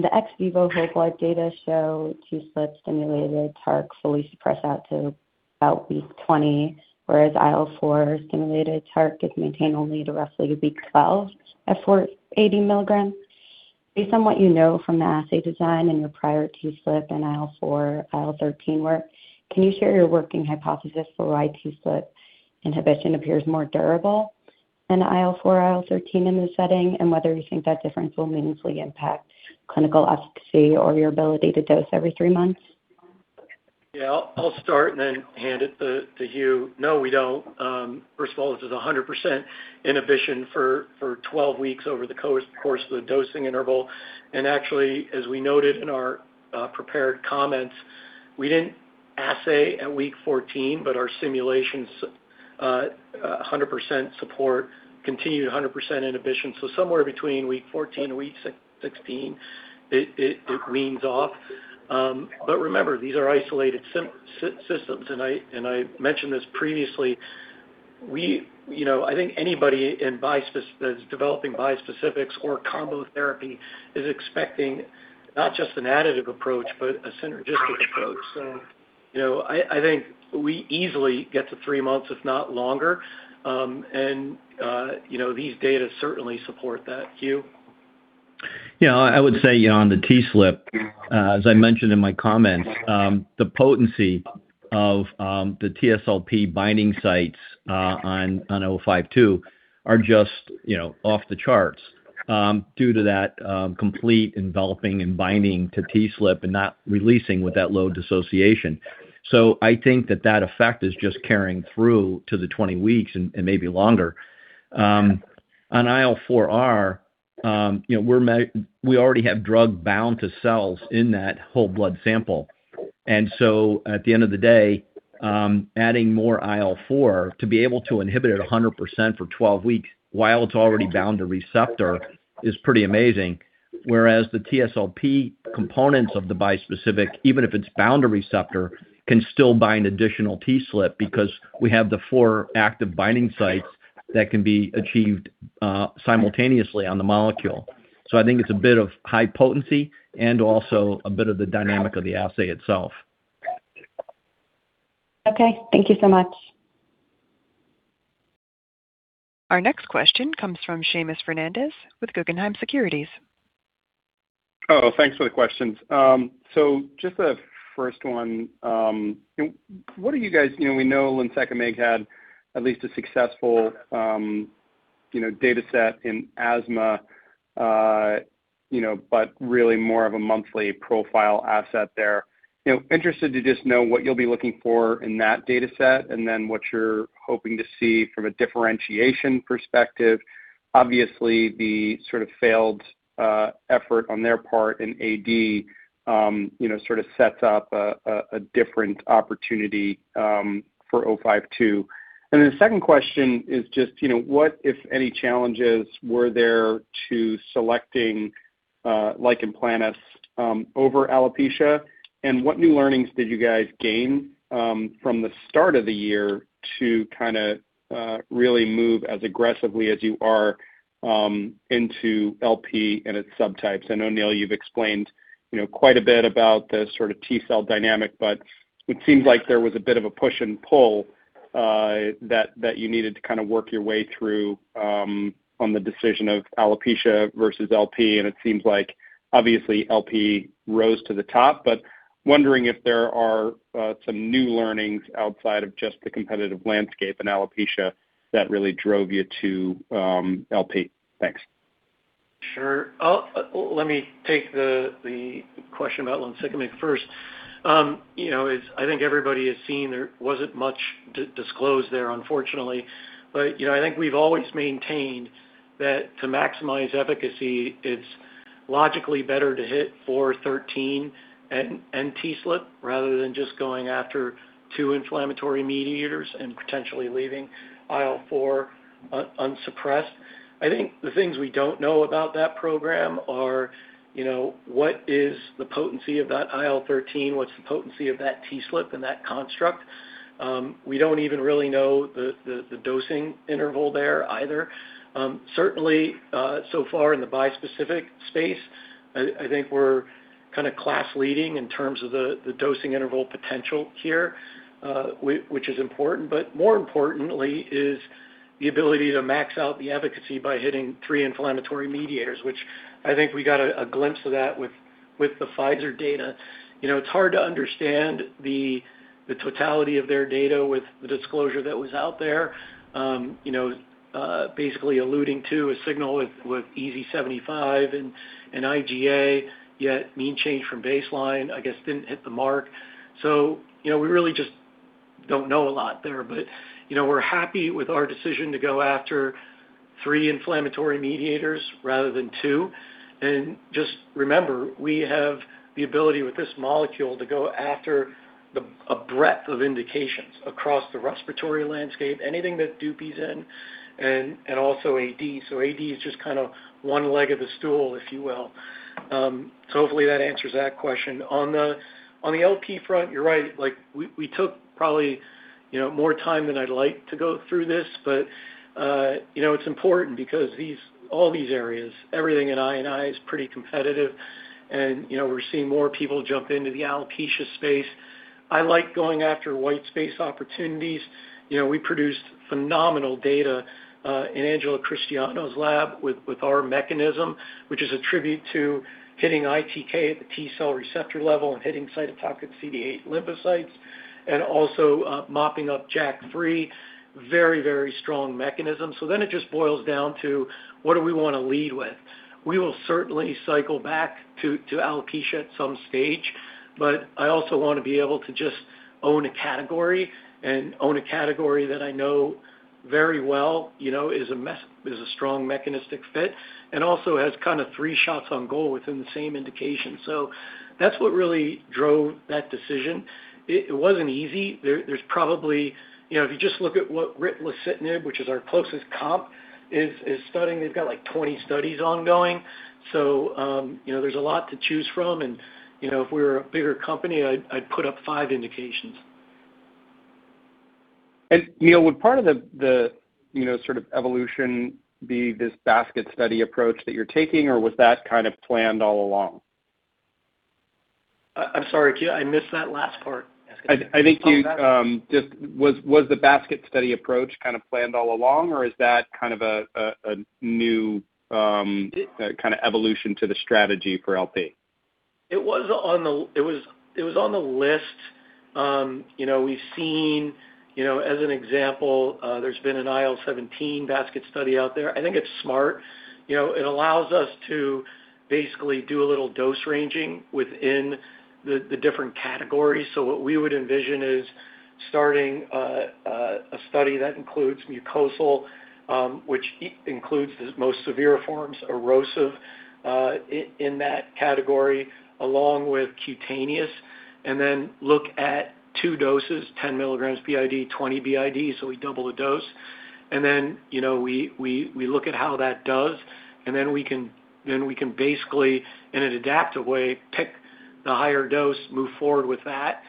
S12: The ex vivo whole blood data show TSLP stimulated TARC fully suppress out to about week 20, whereas IL-4 stimulated TARC is maintained only to roughly week 12 at 480 milligrams. Based on what you know from the assay design and your prior TSLP and IL-4, IL-13 work, can you share your working hypothesis for why TSLP inhibition appears more durable in the IL-4, IL-13 in this setting, and whether you think that difference will meaningfully impact clinical efficacy or your ability to dose every three months?
S3: I'll start and then hand it to Hugh. No, we don't. First of all, this is 100% inhibition for 12 weeks over the course of the dosing interval. Actually, as we noted in our prepared comments, we didn't assay at week 14, but our simulations 100% support continued 100% inhibition. Somewhere between week 14 and week 16, it weans off. Remember, these are isolated systems, and I mentioned this previously. You know, I think anybody in bispecifics that is developing bispecifics or combo therapy is expecting not just an additive approach but a synergistic approach. You know, I think we easily get to three months, if not longer. You know, these data certainly support that. Hugh?
S4: Yeah. I would say, you know, on the TSLP, as I mentioned in my comments, the potency of the TSLP binding sites on 052 are just, you know, off the charts, due to that complete enveloping and binding to TSLP and not releasing with that low dissociation I think that that effect is just carrying through to the 20 weeks and maybe longer. On IL-4R, you know, we already have drug bound to cells in that whole blood sample. At the end of the day, adding more IL-4 to be able to inhibit it 100% for 12 weeks while it is already bound to receptor is pretty amazing. Whereas the TSLP components of the bispecific, even if it is bound to receptor, can still bind additional TSLP because we have the four active binding sites that can be achieved simultaneously on the molecule. I think it is a bit of high potency and also a bit of the dynamic of the assay itself.
S12: Okay. Thank you so much.
S1: Our next question comes from Seamus Fernandez with Guggenheim Securities.
S13: Oh, thanks for the questions. Just a first one. What are you guys we know [inaudible] had at least a successful, you know, data set in asthma, you know, but really more of a monthly profile asset there. You know, interested to just know what you'll be looking for in that data set and then what you're hoping to see from a differentiation perspective. Obviously, the sort of failed effort on their part in AD, you know, sort of sets up a different opportunity for 052. The second question is just, you know, what, if any challenges, were there to selecting lichen planus over alopecia? What new learnings did you guys gain, from the start of the year to kind of really move as aggressively as you are, into LP and its subtypes? I know, Neal, you've explained, you know, quite a bit about the sort of T-cell dynamic, but it seems like there was a bit of a push and pull that you needed to kind of work your way through on the decision of alopecia versus LP. It seems like obviously LP rose to the top, but wondering if there are some new learnings outside of just the competitive landscape in alopecia that really drove you to LP. Thanks.
S3: Sure. I'll let me take the question about [inaudible] first. You know, it's I think everybody has seen there wasn't much disclosed there unfortunately. You know, I think we've always maintained that to maximize efficacy, it's logically better to hit IL-13 and TSLP rather than just going after two inflammatory mediators and potentially leaving IL-4 unsuppressed. I think the things we don't know about that program are, you know, what is the potency of that IL-13, what's the potency of that TSLP and that construct. We don't even really know the dosing interval there either. Certainly, so far in the bispecific space, I think we're kinda class leading in terms of the dosing interval potential here, which is important. More importantly is the ability to max out the efficacy by hitting three inflammatory mediators, which I think we got a glimpse of that with the Pfizer data. You know, it's hard to understand the totality of their data with the disclosure that was out there, you know, basically alluding to a signal with EASI-75 and IGA, yet mean change from baseline, I guess, didn't hit the mark. You know, we really just don't know a lot there. You know, we're happy with our decision to go after three inflammatory mediators rather than two. Just remember, we have the ability with this molecule to go after the breadth of indications across the respiratory landscape, anything that Dupixent and also AD. AD is just kind of one leg of the stool, if you will. Hopefully that answers that question. On the LP front, you're right. We took probably more time than I'd like to go through this. You know, it's important because all these areas, everything in I&I is pretty competitive. You know, we're seeing more people jump into the alopecia space. I like going after white space opportunities. You know, we produced phenomenal data in Angela Christiano's lab with our mechanism, which is a tribute to hitting ITK at the T-cell receptor level and hitting cytokine CD8 lymphocytes, and also mopping up JAK3. Very strong mechanism. It just boils down to what do we wanna lead with. We will certainly cycle back to alopecia at some stage, but I also wanna be able to just own a category and own a category that I know very well, you know, is a strong mechanistic fit and also has kind of three shots on goal within the same indication. That's what really drove that decision. It wasn't easy. There's probably. You know, if you just look at what ritlecitinib, which is our closest comp, is studying, they've got, like, 20 studies ongoing, you know, there's a lot to choose from. You know, if we were a bigger company, I'd put up five indications.
S13: Neal, would part of the, you know, sort of evolution be this basket study approach that you're taking, or was that kind of planned all along?
S3: I'm sorry. I missed that last part.
S13: I think you. Just was the basket study approach kind of planned all along, or is that a new evolution to the strategy for LP?
S3: It was on the list. We've seen, you know, as an example, there's been an IL-17 basket study out there. I think it's smart. You know, it allows us to basically do a little dose ranging within the different categories. What we would envision is starting a study that includes mucosal, which includes the most severe forms, erosive, in that category, along with cutaneous, and then look at two doses, 10 mg BID, 20 BID, so we double the dose. You know, we look at how that does, and then we can basically, in an adaptive way, pick the higher dose, move forward with that.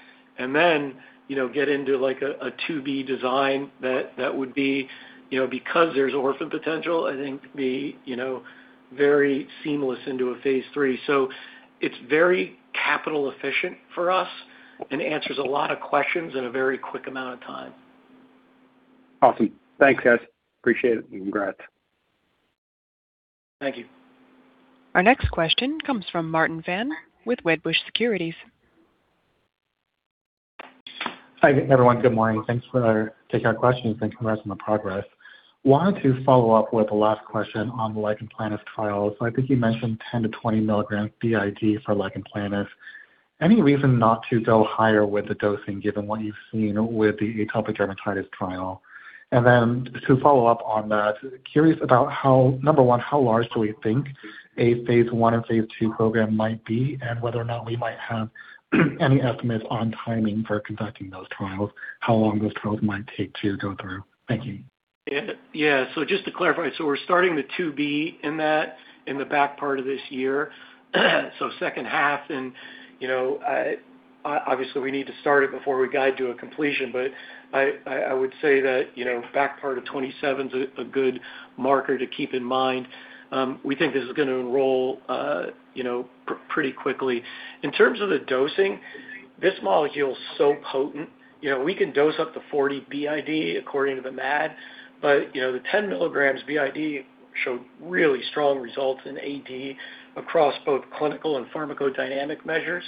S3: You know, get into a phase IIb design that would be, you know, because there's orphan potential, I think, you know, very seamless into a phase III. It's very capital efficient for us and answers a lot of questions in a very quick amount of time.
S13: Awesome. Thanks, guys. Appreciate it, and congrats.
S3: Thank you.
S1: Our next question comes from Martin Fan with Wedbush Securities.
S14: Hi, everyone. Good morning. Thanks for taking our questions and congrats on the progress. Wanted to follow up with the last question on lichen planus trials. I think you mentioned 10 mg-20 mg BID for lichen planus. Any reason not to go higher with the dosing, given what you've seen with the atopic dermatitis trial? Then to follow up on that, curious about number one, how large do we think a phase I or phase II program might be, and whether or not we might have any estimates on timing for conducting those trials, how long those trials might take to go through. Thank you.
S3: Yeah. Just to clarify, we're starting the phase IIb in the back part of this year. second half and, you know, obviously, we need to start it before we guide to a completion. I would say that, you know, back part of 2027 is a good marker to keep in mind. We think this is gonna enroll, you know, pretty quickly. In terms of the dosing, this molecule is so potent, you know, we can dose up to 40 BID according to the MAD, but, you know, the 10 mg BID showed really strong results in AD across both clinical and pharmacodynamic measures.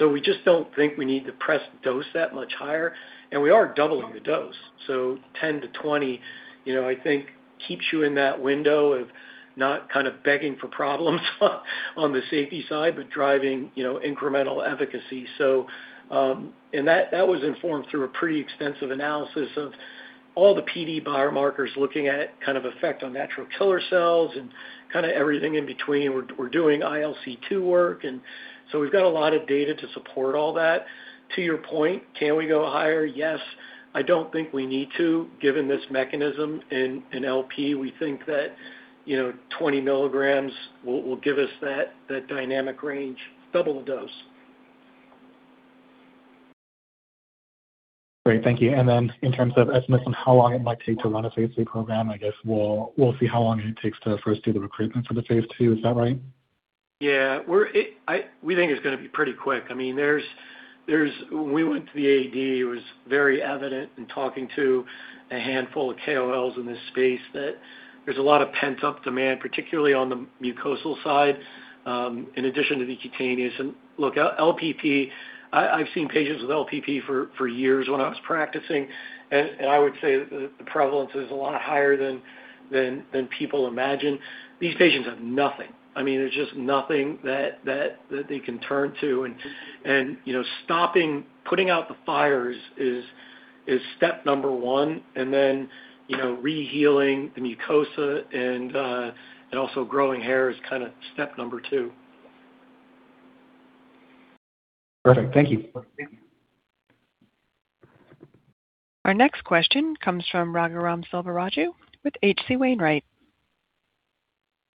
S3: We just don't think we need to press dose that much higher, and we are doubling the dose. 10 mg-20 mg, you know, I think keeps you in that window of not kind of begging for problems on the safety side, but driving, you know, incremental efficacy. That was informed through a pretty extensive analysis of all the PD biomarkers, looking at kind of effect on natural killer cells and kind of everything in between. We're doing ILC2 work, we've got a lot of data to support all that. To your point, can we go higher? Yes. I don't think we need to, given this mechanism in LP. We think that, you know, 20 mg will give us that dynamic range, double the dose.
S14: Great. Thank you. Then in terms of estimates on how long it might take to run a phase III program, I guess we'll see how long it takes to first do the recruitment for the phase II. Is that right?
S3: Yeah. We think it's gonna be pretty quick. I mean, there's, when we went to the AD, it was very evident in talking to a handful of KOLs in this space that there's a lot of pent-up demand, particularly on the mucosal side, in addition to the cutaneous. Look, LPP, I've seen patients with LPP for years when I was practicing, and I would say the prevalence is a lot higher than people imagine. These patients have nothing. I mean, there's just nothing that they can turn to. You know, stopping, putting out the fires is step number one, and then, you know, re-healing the mucosa and also growing hair is kinda step number two.
S14: Perfect. Thank you.
S3: Thank you.
S1: Our next question comes from Raghuram Selvaraju with H.C. Wainwright.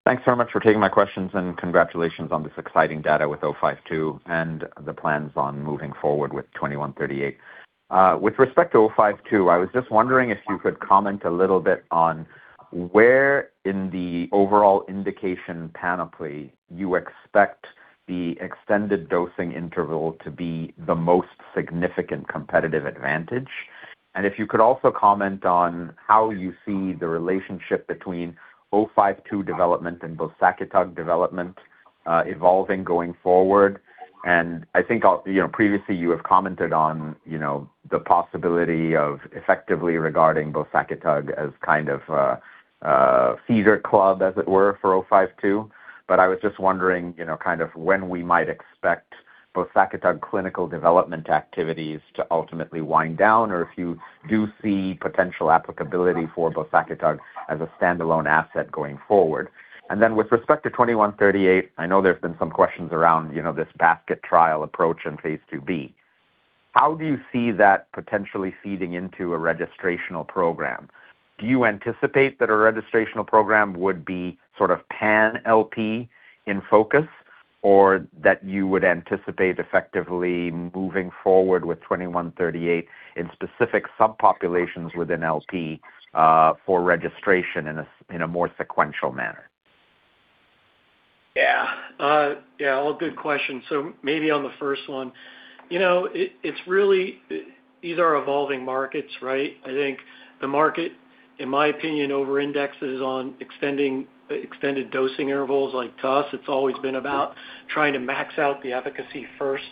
S15: Thanks so much for taking my questions. Congratulations on this exciting data with ATI-052 and the plans on moving forward with ATI-2138. With respect to ATI-052, I was just wondering if you could comment a little bit on where in the overall indication panoply you expect the extended dosing interval to be the most significant competitive advantage. If you could also comment on how you see the relationship between ATI-052 development and bosakitug development evolving going forward. I think, you know, previously you have commented on, you know, the possibility of effectively regarding bosakitug as kind of a feeder club, as it were, for ATI-052. I was just wondering, you know, kind of when we might expect bosakitug clinical development activities to ultimately wind down, or if you do see potential applicability for bosakitug as a standalone asset going forward. With respect to ATI-2138, I know there's been some questions around, you know, this basket trial approach in phase IIb. How do you see that potentially feeding into a registrational program? Do you anticipate that a registrational program would be sort of pan LP in focus, or that you would anticipate effectively moving forward with ATI-2138 in specific subpopulations within LP for registration in a more sequential manner?
S3: Yeah, all good questions. Maybe on the first one. You know, these are evolving markets, right? I think the market, in my opinion, over-indexes on extended dosing intervals like to us. It's always been about trying to max out the efficacy first.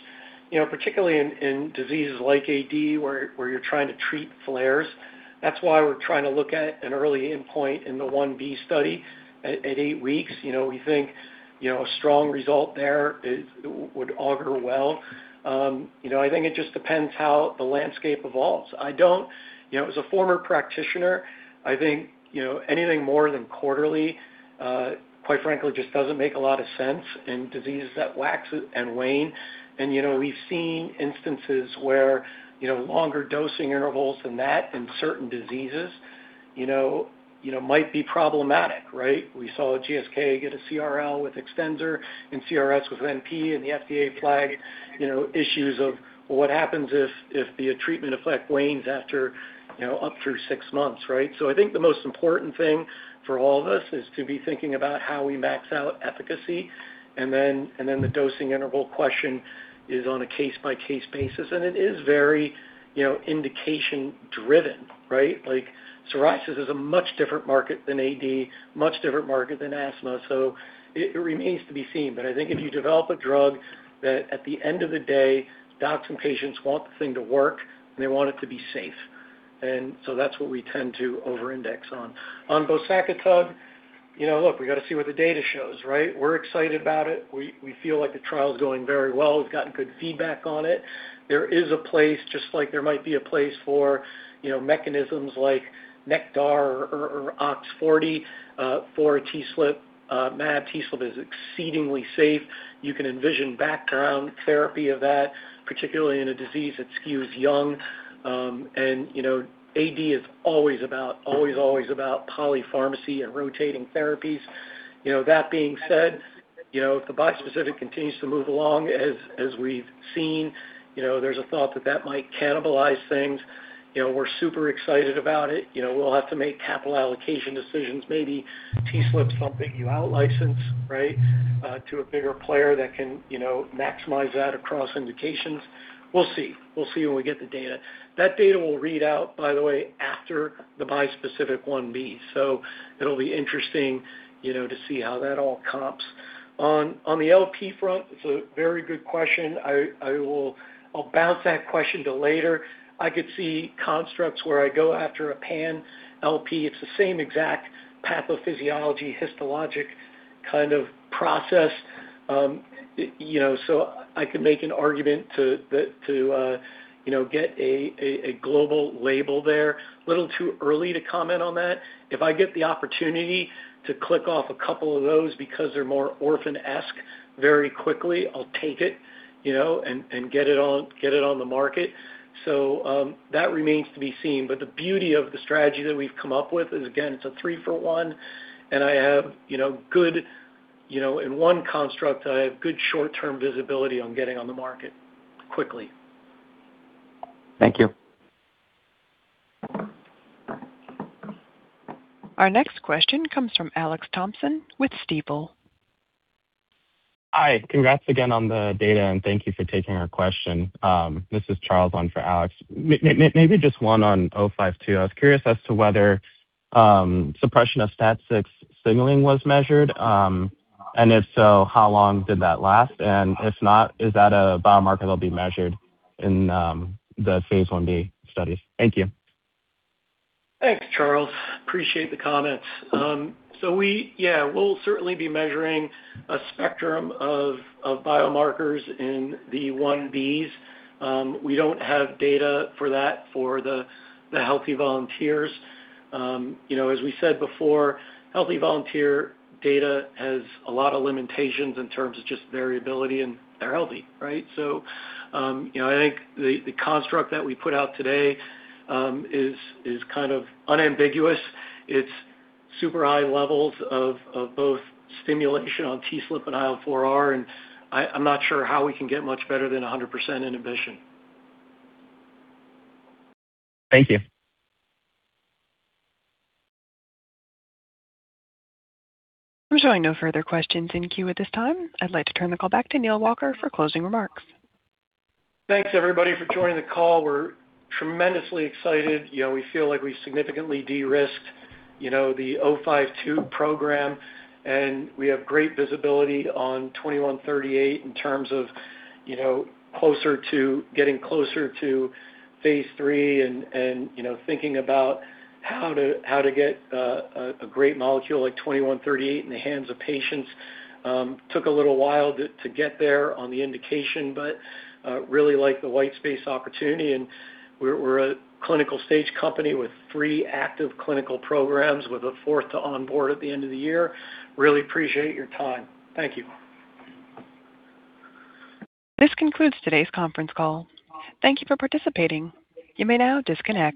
S3: You know, particularly in diseases like AD, where you're trying to treat flares. That's why we're trying to look at an early endpoint in the phase Ib study at eight weeks. You know, we think, you know, a strong result there would augur well. You know, I think it just depends how the landscape evolves. You know, as a former practitioner, I think, you know, anything more than quarterly, quite frankly, just doesn't make a lot of sense in diseases that wax and wane. You know, we've seen instances where, you know, longer dosing intervals than that in certain diseases, you know, might be problematic, right? We saw GSK get a CRL with Exdensur and CRS with NP and the FDA flag, you know, issues of what happens if the treatment effect wanes after, you know, up through six months, right? I think the most important thing for all of us is to be thinking about how we max out efficacy. Then the dosing interval question is on a case-by-case basis, and it is very, you know, indication driven, right? Like, psoriasis is a much different market than AD, much different market than asthma. It remains to be seen. I think if you develop a drug that at the end of the day, docs and patients want the thing to work, and they want it to be safe. That's what we tend to over-index on. On bosakitug, you know, look, we got to see what the data shows, right? We're excited about it. We feel like the trial is going very well. We've gotten good feedback on it. There is a place just like there might be a place for, you know, mechanisms like Nektar or OX40 for a TSLP, mAb TSLP is exceedingly safe. You can envision background therapy of that, particularly in a disease that skews young. You know, AD is always about polypharmacy and rotating therapies. You know, that being said, you know, if the bispecific continues to move along as we've seen, you know, there's a thought that that might cannibalize things. You know, we're super excited about it. You know, we'll have to make capital allocation decisions. Maybe TSLP is something you out-license, right? To a bigger player that can, you know, maximize that across indications. We'll see. We'll see when we get the data. That data will read out, by the way, after the bispecific phase Ib. It'll be interesting, you know, to see how that all comps. On the LP front, it's a very good question. I'll bounce that question to later. I could see constructs where I go after a pan LP. It's the same exact pathophysiology, histologic kind of process. you know, I could make an argument to that, to, you know, get a global label there. A little too early to comment on that. If I get the opportunity to click off a couple of those because they're more orphan-esque very quickly, I'll take it, you know, and get it on the market. That remains to be seen. The beauty of the strategy that we've come up with is, again, it's a three-for-one, and I have, you know, good. In one construct, I have good short-term visibility on getting on the market quickly.
S15: Thank you.
S1: Our next question comes from Alex Thompson with Stifel.
S16: Hi. Congrats again on the data, and thank you for taking our question. This is Charles on for Alex. Maybe just one on ATI-052. I was curious as to whether suppression of STAT6 signaling was measured. If so, how long did that last? If not, is that a biomarker that'll be measured in the phase Ib studies? Thank you.
S3: Thanks, Charles. Appreciate the comments. So we'll certainly be measuring a spectrum of biomarkers in the phase Ib's. We don't have data for that for the healthy volunteers. You know, as we said before, healthy volunteer data has a lot of limitations in terms of just variability, and they're healthy, right? You know, I think the construct that we put out today is kind of unambiguous. It's super high levels of both stimulation on TSLP and IL-4R, and I'm not sure how we can get much better than 100% inhibition.
S16: Thank you.
S1: I'm showing no further questions in queue at this time. I'd like to turn the call back to Neal Walker for closing remarks.
S3: Thanks, everybody, for joining the call. We're tremendously excited. We feel like we significantly de-risked the 052 program, and we have great visibility on 2138 in terms of getting closer to phase III and thinking about how to get a great molecule like 2138 in the hands of patients. Took a little while to get there on the indication, really like the white space opportunity. We're a clinical stage company with 3 active clinical programs with a fourth to onboard at the end of the year. Really appreciate your time. Thank you.
S1: This concludes today's conference call. Thank you for participating. You may now disconnect.